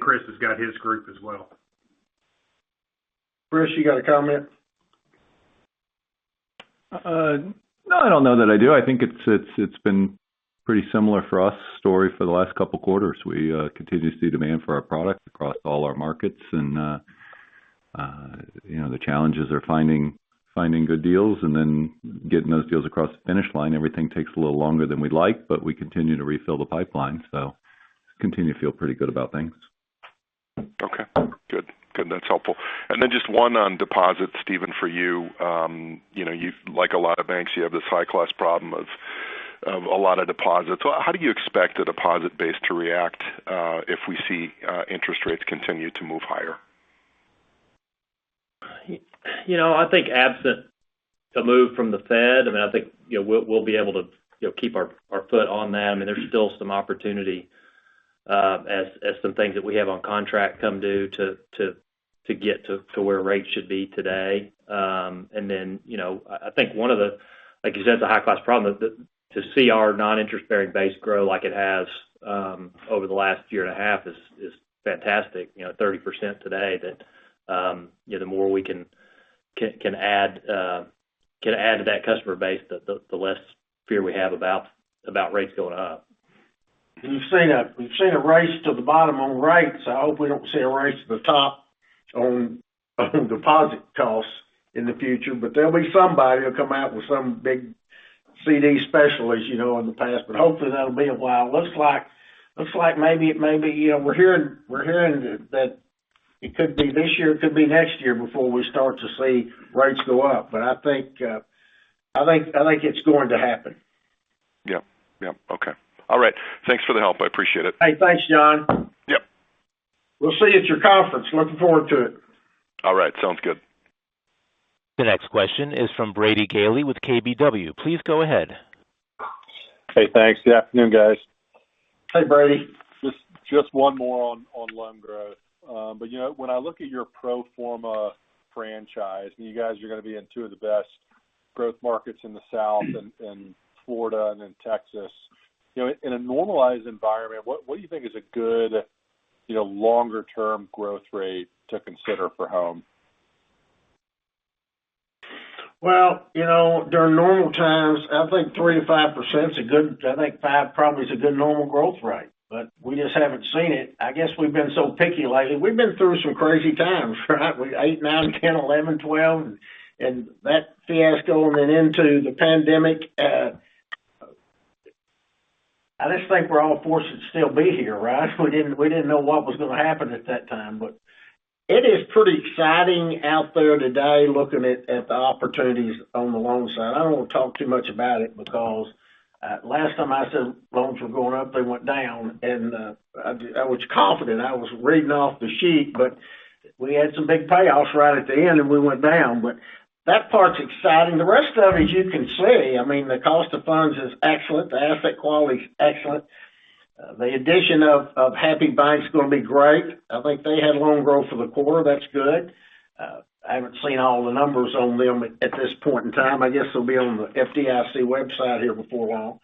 [SPEAKER 6] Chris has got his group as well.
[SPEAKER 3] Chris, you got a comment?
[SPEAKER 7] No, I don't know that I do. I think it's been pretty similar for us, story for the last two quarters. We continue to see demand for our product across all our markets. The challenges are finding good deals and then getting those deals across the finish line. Everything takes a little longer than we'd like, but we continue to refill the pipeline, so continue to feel pretty good about things.
[SPEAKER 10] Good. That's helpful. Just one on deposits, Stephen, for you. Like a lot of banks, you have this high cost problem of a lot of deposits. How do you expect the deposit base to react if we see interest rates continue to move higher?
[SPEAKER 9] I think absent a move from the Fed, I think we'll be able to keep our foot on them. There's still some opportunity as some things that we have on contract come due to get to where rates should be today. I think one of the, I guess that's a high cost problem is that to see our non-interest-bearing base grow like it has over the last year and a half is fantastic. 30% today that the more we can add to that customer base, the less fear we have about rates going up.
[SPEAKER 3] We've seen a race to the bottom on rates. I hope we don't see a race to the top on deposit costs in the future. There'll be somebody who'll come out with some big CD special, as you know in the past, but hopefully, that'll be a while. Looks like maybe we're hearing that it could be this year, it could be next year before we start to see rates go up. I think it's going to happen.
[SPEAKER 10] Yep. Okay. All right. Thanks for the help. I appreciate it.
[SPEAKER 3] Hey, thanks, Jon.
[SPEAKER 10] Yep.
[SPEAKER 3] We'll see you at your conference. Looking forward to it.
[SPEAKER 10] All right, sounds good.
[SPEAKER 1] The next question is from Brady Gailey with KBW. Please go ahead.
[SPEAKER 11] Hey, thanks. Good afternoon, guys.
[SPEAKER 3] Hey, Brady.
[SPEAKER 11] Just one more on loan growth. When I look at your pro forma franchise, and you guys are going to be in two of the best growth markets in the South, in Florida and in Texas. In a normalized environment, what do you think is a good longer term growth rate to consider for Home?
[SPEAKER 3] During normal times, I think 3%, 5% probably is a good normal growth rate. We just haven't seen it. I guess we've been so picky lately. We've been through some crazy times, right? 8%, 9%, 10%, 11%, 12%, and that fiasco, and then into the pandemic. I just think we're all fortunate to still be here. We didn't know what was going to happen at that time. It is pretty exciting out there today looking at the opportunities on the loan side. I don't want to talk too much about it because last time I said loans were going up, they went down, and I was confident. I was reading off the sheet, but we had some big payoffs right at the end, and we went down. That part's exciting. The rest of it, as you can see, the cost of funds is excellent. The asset quality is excellent. The addition of Happy Bank is going to be great. I think they had loan growth for the quarter. That's good. I haven't seen all the numbers on them at this point in time. I guess they'll be on the FDIC website here before long.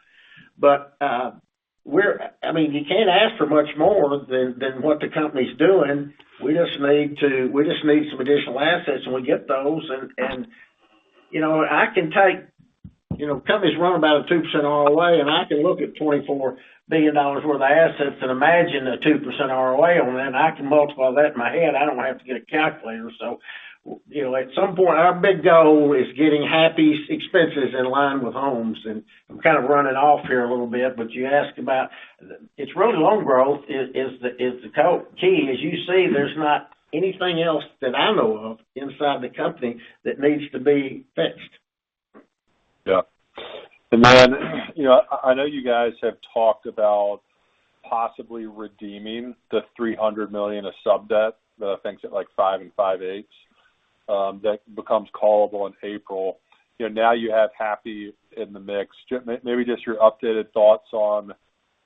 [SPEAKER 3] You can't ask for much more than what the company's doing. We just need some additional assets, and we get those. The company's running about a 2% ROA, and I can look at $24 billion worth of assets and imagine a 2% ROA on that, and I can multiply that in my head. I don't have to get a calculator. At some point, our big goal is getting Happy's expenses in line with Home's. I'm kind of running off here a little bit. You asked about, its real loan growth is the key. As you see, there's not anything else that I know of inside the company that needs to be fixed.
[SPEAKER 11] Yeah. Brian, I know you guys have talked about possibly redeeming the $300 million of sub-debt, the things at 5 and 5/8, that becomes callable in April. Now you have Happy in the mix. Maybe just your updated thoughts on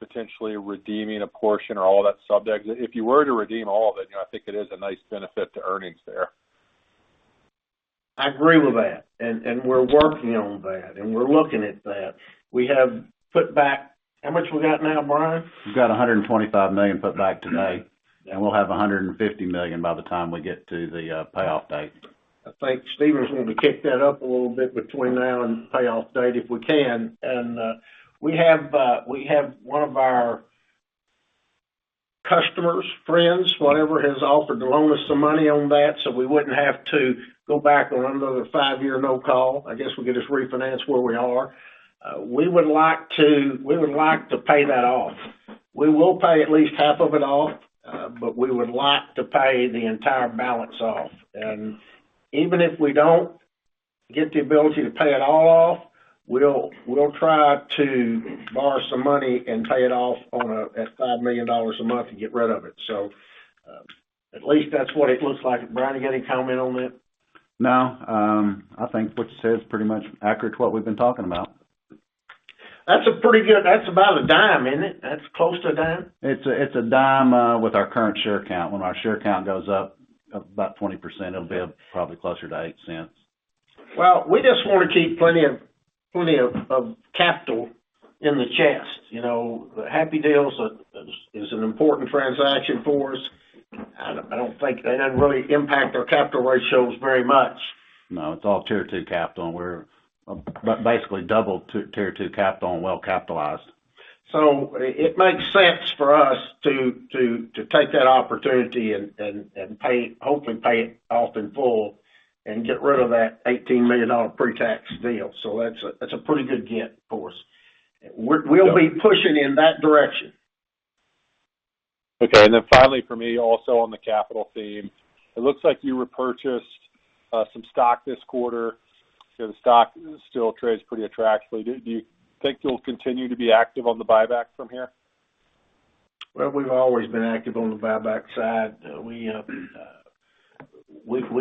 [SPEAKER 11] potentially redeeming a portion or all of that sub-debt. If you were to redeem all of it, I think it is a nice benefit to earnings there.
[SPEAKER 3] I agree with that, and we're working on that, and we're looking at that. We have put back, how much we got now, Brian?
[SPEAKER 5] We've got $125 million put back to date, and we'll have $150 million by the time we get to the payoff date.
[SPEAKER 3] I think Stephen's going to kick that up a little bit between now and payoff date if we can. We have one of our customers, friends, whatever, has offered to loan us some money on that, so we wouldn't have to go back on another five-year no call. I guess we could just refinance where we are. We would like to pay that off. We will pay at least half of it off, but we would like to pay the entire balance off. Even if we don't get the ability to pay it all off, we'll try to borrow some money and pay it off at $5 million a month and get rid of it. At least that's what it looks like. Brian, you got any comment on that?
[SPEAKER 5] No. I think what you said is pretty much accurate to what we've been talking about.
[SPEAKER 3] That's about $0.10, isn't it? That's close to $0.10.
[SPEAKER 5] It's $0.10 with our current share count. When our share count goes up about 20%, it'll be up probably closer to $0.08.
[SPEAKER 3] Well, we just want to keep plenty of capital in the chest. The Happy deal is an important transaction for us. I don't think that it'd really impact our capital ratios very much.
[SPEAKER 5] No, it's all Tier 2 capital, and we're basically double Tier 2 capital and well-capitalized.
[SPEAKER 3] It makes sense for us to take that opportunity and hopefully pay it off in full and get rid of that $18 million pre-tax deal. That's a pretty good get for us. We'll be pushing in that direction.
[SPEAKER 11] Okay, finally for me, also on the capital theme, it looks like you repurchased some stock this quarter. The stock still trades pretty attractively. Do you think you'll continue to be active on the buyback from here?
[SPEAKER 3] We've always been active on the buyback side. We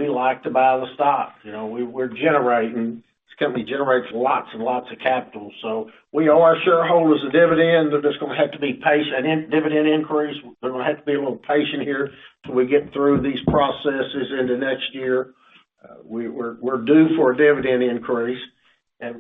[SPEAKER 3] like to buy the stock. This company generates lots and lots of capital, we owe our shareholders a dividend. They're just going to have to be patient. A dividend increase, they're going to have to be a little patient here till we get through these processes into next year. We're due for a dividend increase,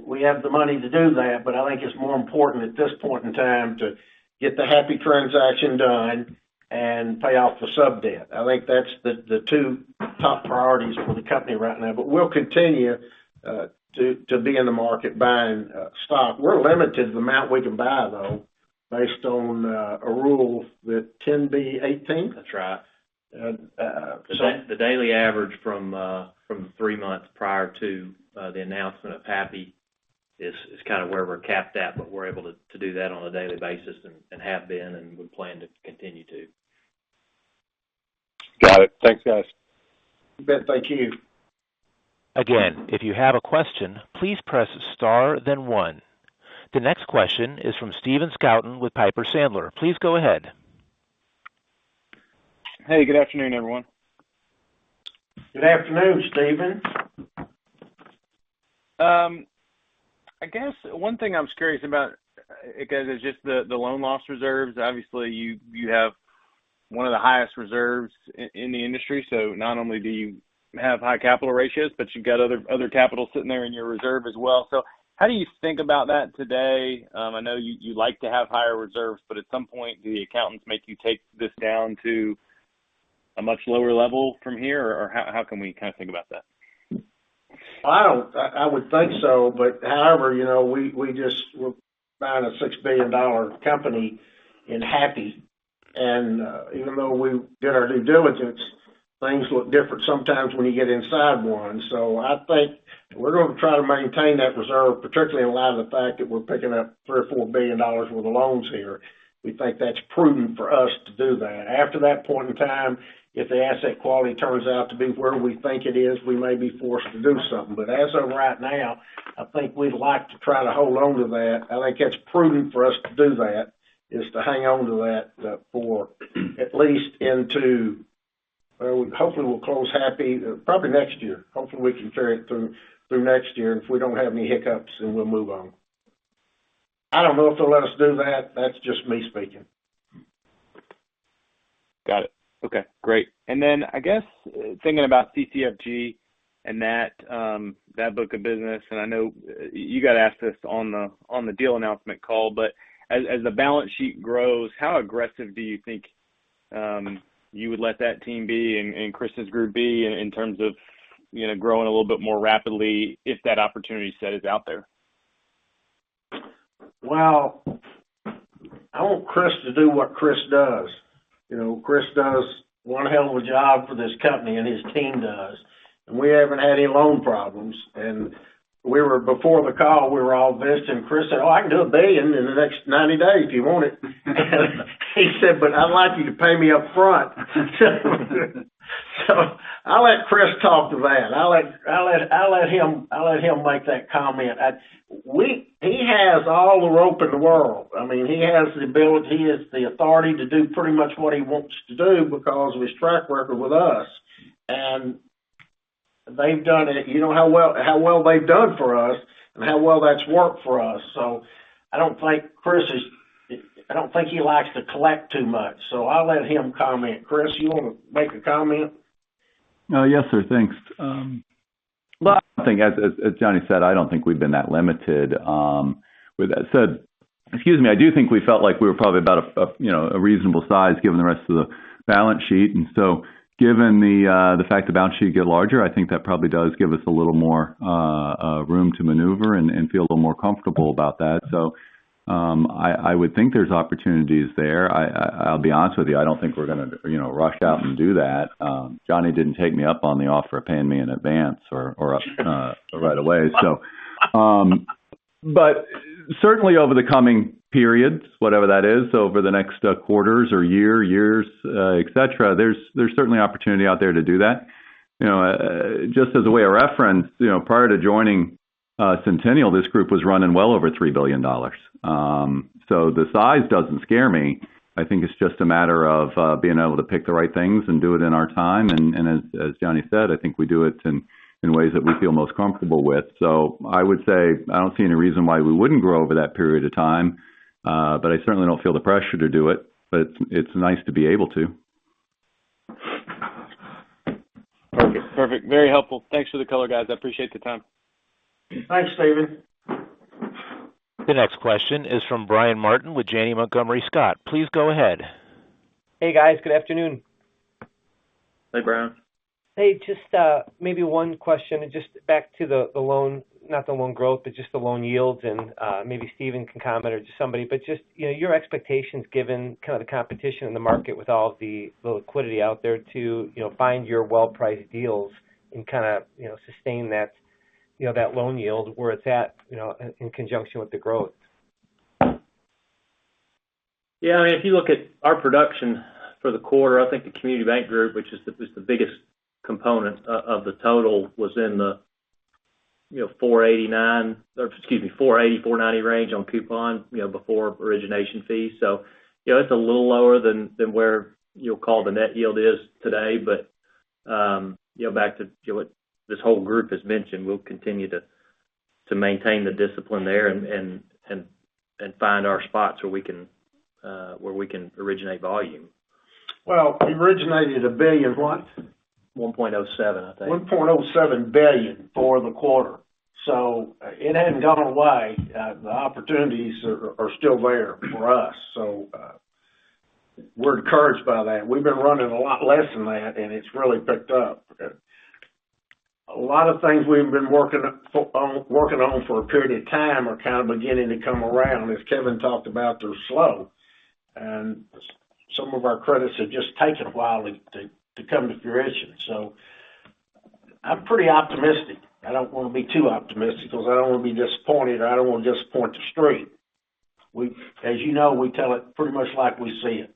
[SPEAKER 3] we have the money to do that, I think it's more important at this point in time to get the Happy transaction done and pay off the sub-debt. I think that's the two top priorities for the company right now. We'll continue to be in the market buying stock. We're limited the amount we can buy, though, based on a rule, the 10b-18.
[SPEAKER 5] That's right. The daily average from the three months prior to the announcement of Happy is kind of where we're capped at, but we're able to do that on a daily basis and have been, and we plan to continue to.
[SPEAKER 11] Got it. Thanks, guys.
[SPEAKER 3] Brady, thank you.
[SPEAKER 1] Again, if you have a question, please press star then one. The next question is from Stephen Scouten with Piper Sandler. Please go ahead.
[SPEAKER 12] Hey, good afternoon, everyone.
[SPEAKER 3] Good afternoon, Stephen.
[SPEAKER 12] I guess one thing I'm curious about, guys, is just the loan loss reserves. Obviously, you have one of the highest reserves in the industry, so not only do you have high capital ratios, but you've got other capital sitting there in your reserve as well. How do you think about that today? I know you like to have higher reserves, but at some point, do the accountants make you take this down to a much lower level from here? How can we kind of think about that?
[SPEAKER 3] I would think so. However, we just bought a $6 billion company in Happy, and even though we did our due diligence, things look different sometimes when you get inside one. I think we're going to try to maintain that reserve, particularly in light of the fact that we're picking up $3 billion or $4 billion worth of loans here. We think that's prudent for us to do that. After that point in time, if the asset quality turns out to be where we think it is, we may be forced to do something. As of right now, I think we'd like to try to hold onto that. I think that's prudent for us to do that, is to hang on to that for at least into, hopefully we'll close Happy probably next year. Hopefully, we can carry it through next year, if we don't have any hiccups, and we'll move on. I don't know if they'll let us do that. That's just me speaking.
[SPEAKER 12] Got it. Okay, great. I guess, thinking about CCFG and that book of business, and I know you got asked this on the deal announcement call, but as the balance sheet grows, how aggressive do you think you would let that team be and Chris' group be in terms of growing a little bit more rapidly if that opportunity set is out there?
[SPEAKER 3] Well, I want Chris to do what Chris does. Chris does one hell of a job for this company, and his team does. We haven't had any loan problems. Before the call, we were all visiting, Chris said, "Oh, I can do $1 billion in the next 90 days if you want it." He said, "But I'd like you to pay me up front." I'll let Chris talk to that. I'll let him make that comment. He has all the rope in the world. He has the ability, he has the authority to do pretty much what he wants to do because of his track record with us, and you know how well they've done for us and how well that's worked for us. I don't think Chris likes to collect too much, so I'll let him comment. Chris, you want to make a comment?
[SPEAKER 7] Yes, sir. Thanks. As Johnny said, I don't think we've been that limited. Excuse me, I do think we felt like we were probably about a reasonable size given the rest of the balance sheet. Given the fact the balance sheet get larger, I think that probably does give us a little more room to maneuver and feel a little more comfortable about that. I would think there's opportunities there. I'll be honest with you, I don't think we're going to rush out and do that. Johnny didn't take me up on the offer of paying me in advance or up right away. Certainly over the coming periods, whatever that is, over the next quarters or year, years, et cetera, there's certainly opportunity out there to do that. Just as a way of reference, prior to joining Centennial, this group was running well over $3 billion. The size doesn't scare me. I think it's just a matter of being able to pick the right things and do it in our time. As Johnny said, I think we do it in ways that we feel most comfortable with. I would say, I don't see any reason why we wouldn't grow over that period of time. I certainly don't feel the pressure to do it, but it's nice to be able to.
[SPEAKER 12] Perfect. Very helpful. Thanks for the color, guys. I appreciate the time.
[SPEAKER 3] Thanks, Stephen.
[SPEAKER 1] The next question is from Brian Martin with Janney Montgomery Scott. Please go ahead.
[SPEAKER 13] Hey, guys. Good afternoon.
[SPEAKER 3] Hey, Brian.
[SPEAKER 13] Hey, just maybe one question and just back to the loan, not the loan growth, but just the loan yields and maybe Stephen can comment or just somebody, but just your expectations given kind of the competition in the market with all of the liquidity out there to find your well-priced deals and kind of sustain that loan yield where it's at in conjunction with the growth?
[SPEAKER 9] Yeah, if you look at our production for the quarter, I think the Community Bank group, which is the biggest component of the total, was in the 4.80%-4.90% range on coupon before origination fees. It's a little lower than where you'll call the net yield is today. Back to what this whole group has mentioned, we'll continue to maintain the discipline there and find our spots where we can originate volume.
[SPEAKER 3] We originated $1 billion what?
[SPEAKER 9] $1.07 billion, I think.
[SPEAKER 3] $1.07 billion for the quarter. It hasn't gone away. The opportunities are still there for us. We're encouraged by that. We've been running a lot less than that, and it's really picked up. A lot of things we've been working on for a period of time are kind of beginning to come around. As Kevin talked about, they're slow, and some of our credits have just taken a while to come to fruition. I'm pretty optimistic. I don't want to be too optimistic because I don't want to be disappointed, and I don't want to disappoint The Street. As you know, we tell it pretty much like we see it.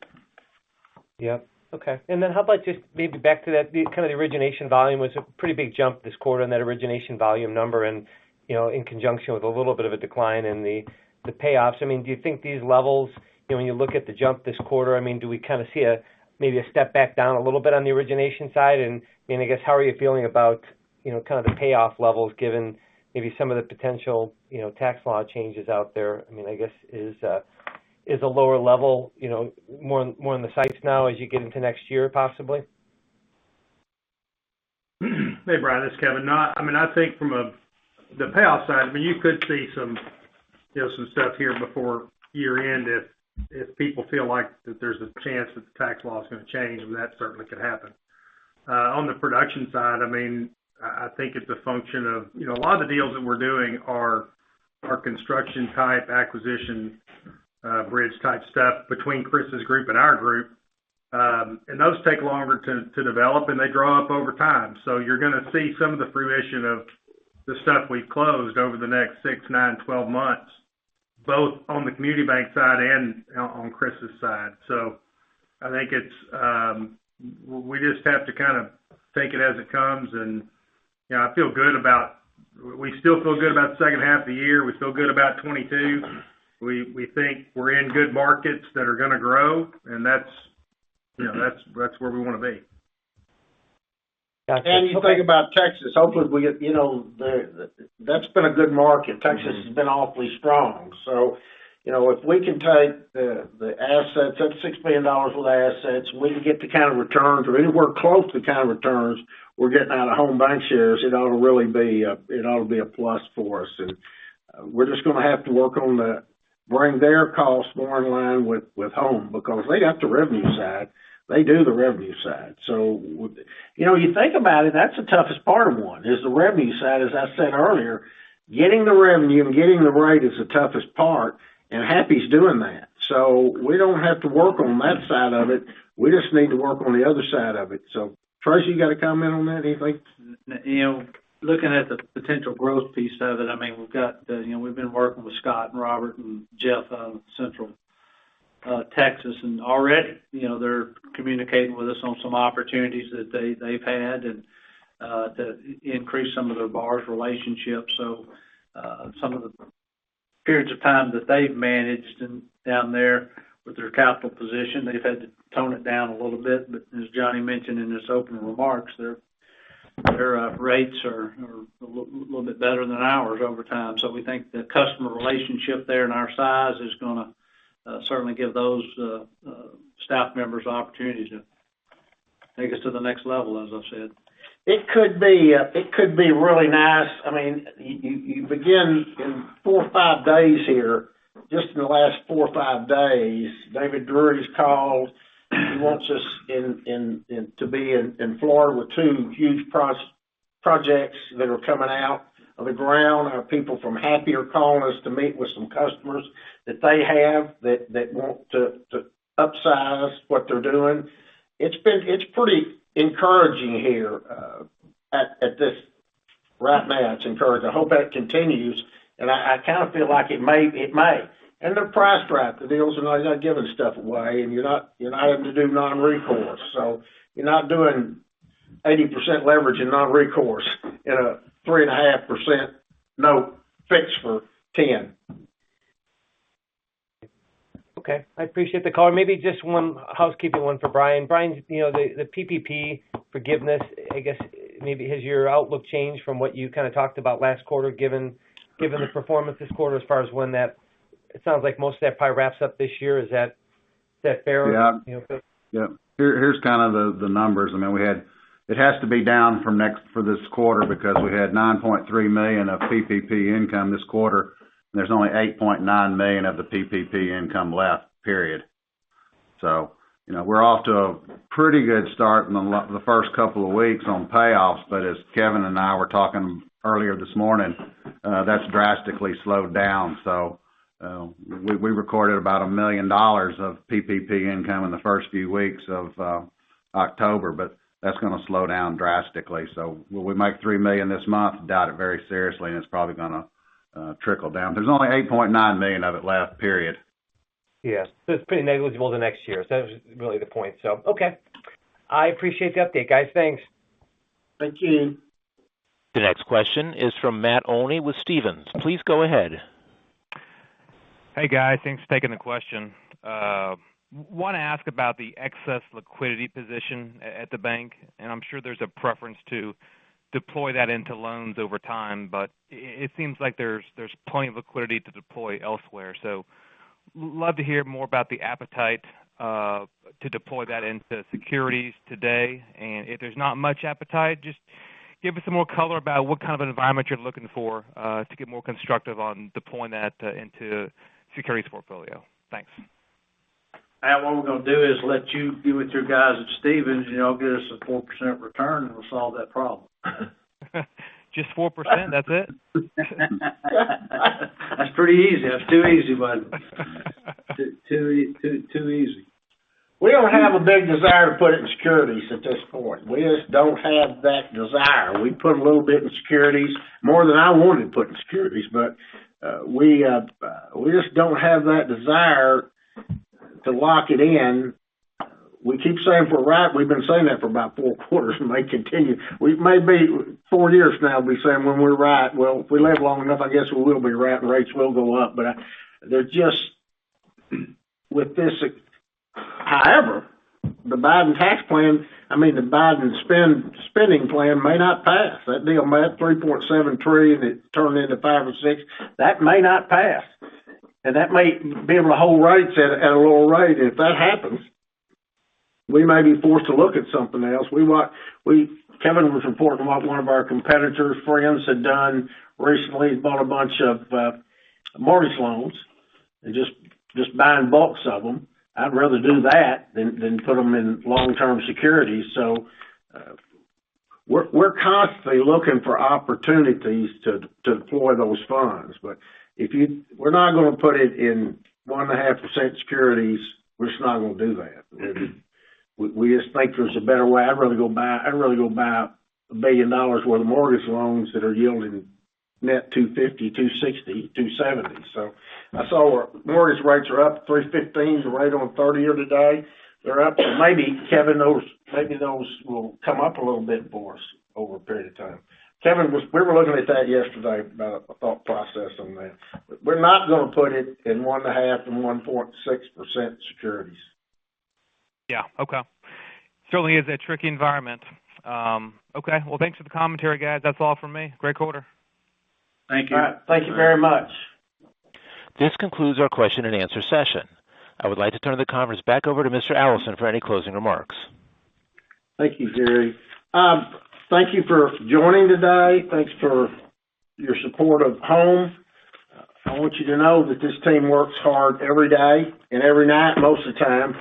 [SPEAKER 13] Yep. Okay. How about just maybe back to that kind of the origination volume was a pretty big jump this quarter on that origination volume number and in conjunction with a little bit of a decline in the payoffs. Do you think these levels, when you look at the jump this quarter, do we kind of see maybe a step back down a little bit on the origination side? I guess, how are you feeling about kind of the payoff levels given maybe some of the potential tax law changes out there? I guess is a lower level more in the sights now as you get into next year, possibly?
[SPEAKER 6] Hey, Brian, it's Kevin. I think from the payoff side, you could see some stuff here before year-end if people feel like that there's a chance that the tax law is going to change, and that certainly could happen. On the production side, I think it's a function of a lot of the deals that we're doing are construction type acquisition, bridge type stuff between Chris' group and our group. Those take longer to develop, and they grow up over time. You're going to see some of the fruition of the stuff we've closed over the next six, nine, 12 months, both on the Community Bank side and on Chris' side. I think we just have to kind of take it as it comes, and we still feel good about the second half of the year. We feel good about 2022. We think we're in good markets that are going to grow, and that's where we want to be.
[SPEAKER 3] You think about Texas. Hopefully, that's been a good market. Texas has been awfully strong. If we can take the assets, that's $6 billion worth of assets, and we can get the kind of returns or anywhere close to the kind of returns we're getting out of Home BancShares, it ought to be a plus for us. We're just going to have to work on the bring their costs more in line with Home because they got the revenue side. They do the revenue side. You think about it, that's the toughest part of one is the revenue side, as I said earlier. Getting the revenue and getting the rate is the toughest part, and Happy's doing that. We don't have to work on that side of it. We just need to work on the other side of it. Tracy, you got a comment on that, anything?
[SPEAKER 4] Looking at the potential growth piece of it, we've been working with Scott and Robert and Jeff out of Centennial Texas. Already, they're communicating with us on some opportunities that they've had, and to increase some of their borrower relationships. Some of the periods of time that they've managed down there with their capital position, they've had to tone it down a little bit, but as Johnny mentioned in his opening remarks, their rates are a little bit better than ours over time. We think the customer relationship there and our size is going to certainly give those staff members opportunities to take us to the next level, as I've said.
[SPEAKER 3] It could be really nice. You begin in four or five days here, just in the last four or five days, David Druey's called. He wants us to be in Florida with two huge projects that are coming out of the ground. Our people from Happy calling us to meet with some customers that they have that want to upsize what they're doing. It's pretty encouraging here at this right now, it's encouraging. I hope that continues, and I kind of feel like it may. They're priced right. The deals are nice. They're not giving stuff away, and you're not having to do non-recourse. You're not doing 80% leverage in non-recourse in a 3.5% note fixed for 10 years.
[SPEAKER 13] Okay. I appreciate the call. Maybe just one housekeeping one for Brian. Brian, the PPP forgiveness, I guess, maybe has your outlook changed from what you kind of talked about last quarter, given the performance this quarter as far as It sounds like most of that probably wraps up this year. Is that fair?
[SPEAKER 5] Yeah. Here's kind of the numbers. It has to be down for this quarter because we had $9.3 million of PPP income this quarter, and there's only $8.9 million of the PPP income left, period. We're off to a pretty good start in the first couple of weeks on payoffs. As Kevin and I were talking earlier this morning, that's drastically slowed down. We recorded about $1 million of PPP income in the first few weeks of October, but that's going to slow down drastically. Will we make $3 million this month? Doubt it very seriously, and it's probably going to trickle down. There's only $8.9 million of it left, period.
[SPEAKER 13] It's pretty negligible the next year. That was really the point. Okay. I appreciate the update, guys. Thanks.
[SPEAKER 3] Thank you.
[SPEAKER 1] The next question is from Matt Olney with Stephens. Please go ahead.
[SPEAKER 14] Hey, guys. Thanks for taking the question. I want to ask about the excess liquidity position at the bank. I'm sure there's a preference to deploy that into loans over time. It seems like there's plenty of liquidity to deploy elsewhere. I'd love to hear more about the appetite to deploy that into securities today. If there's not much appetite, just give us some more color about what kind of environment you're looking for to get more constructive on deploying that into securities portfolio. Thanks.
[SPEAKER 3] Matt, what we're going to do is let you be with your guys at Stephens, get us a 4% return, and we'll solve that problem.
[SPEAKER 14] Just 4%? That's it?
[SPEAKER 4] That's pretty easy. That's too easy, bud. Too easy.
[SPEAKER 3] We don't have a big desire to put it in securities at this point. We just don't have that desire. We put a little bit in securities, more than I wanted to put in securities, but we just don't have that desire to lock it in. We keep saying if we're right, we've been saying that for about four quarters, may continue. We may be four years now be saying when we're right. Well, if we live long enough, I guess we will be right, and rates will go up, but with this, the Biden spending plan may not pass. That deal, Matt, 3.73% that turned into 5% and 6%, that may not pass. That may be able to hold rates at a lower rate. If that happens, we may be forced to look at something else. Kevin was reporting what one of our competitors, friends had done recently. He bought a bunch of mortgage loans, and just buying bulks of them. I'd rather do that than put them in long-term securities. We're constantly looking for opportunities to deploy those funds. We're not going to put it in 1.5% securities. We're just not going to do that. We just think there's a better way. I'd rather go buy a $1 billion worth of mortgage loans that are yielding net $250 million, $260 million, $270 million. I saw mortgage rates are up, $315 million right on 30 years here today. They're up. Maybe, Kevin, maybe those will come up a little bit for us over a period of time. Kevin, we were looking at that yesterday about a thought process on that. We're not going to put it in 1.5% and 1.6% securities.
[SPEAKER 14] Certainly is a tricky environment. Thanks for the commentary, guys. That's all from me. Great quarter.
[SPEAKER 4] Thank you.
[SPEAKER 3] All right. Thank you very much.
[SPEAKER 1] This concludes our question-and-answer session. I would like to turn the conference back over to Mr. Allison for any closing remarks.
[SPEAKER 3] Thank you, Gary. Thank you for joining today. Thanks for your support of Home. I want you to know that this team works hard every day and every night most of the time.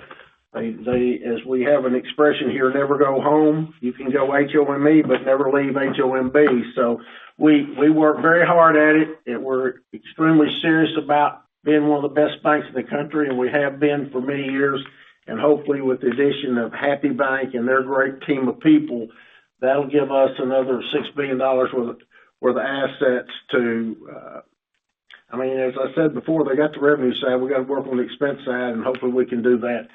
[SPEAKER 3] We have an expression here, never go home. You can go HOMB, never leave HOMB. We work very hard at it, we're extremely serious about being one of the best banks in the country, and we have been for many years. Hopefully, with the addition of Happy Bank and their great team of people, that'll give us another $6 billion worth of assets to, as I said before, they got the revenue side. We got to work on the expense side, hopefully, we can do that.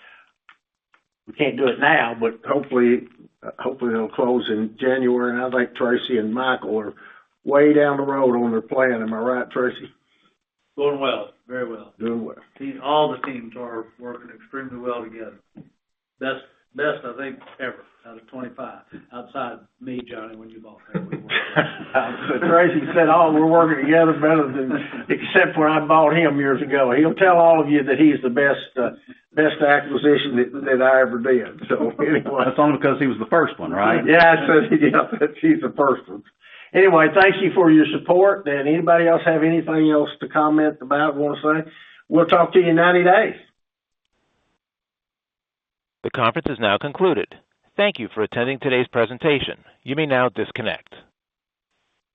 [SPEAKER 3] We can't do it now, hopefully, it'll close in January. I think Tracy and Mikel are way down the road on their plan. Am I right, Tracy?
[SPEAKER 4] Going well. Very well.
[SPEAKER 3] Doing well.
[SPEAKER 4] All the teams are working extremely well together. Best, I think, ever, out of 25, outside me, Johnny, when you bought Home.
[SPEAKER 3] Tracy said all we're working together better than except when I bought him years ago. He'll tell all of you that he's the best acquisition that I ever did. Anyway.
[SPEAKER 5] That's only because he was the first one, right?
[SPEAKER 3] Yeah, it says he's the first one. Thank you for your support. Anybody else have anything else to comment about, want to say? We'll talk to you in 90 days.
[SPEAKER 1] The conference is now concluded. Thank you for attending today's presentation. You may now disconnect.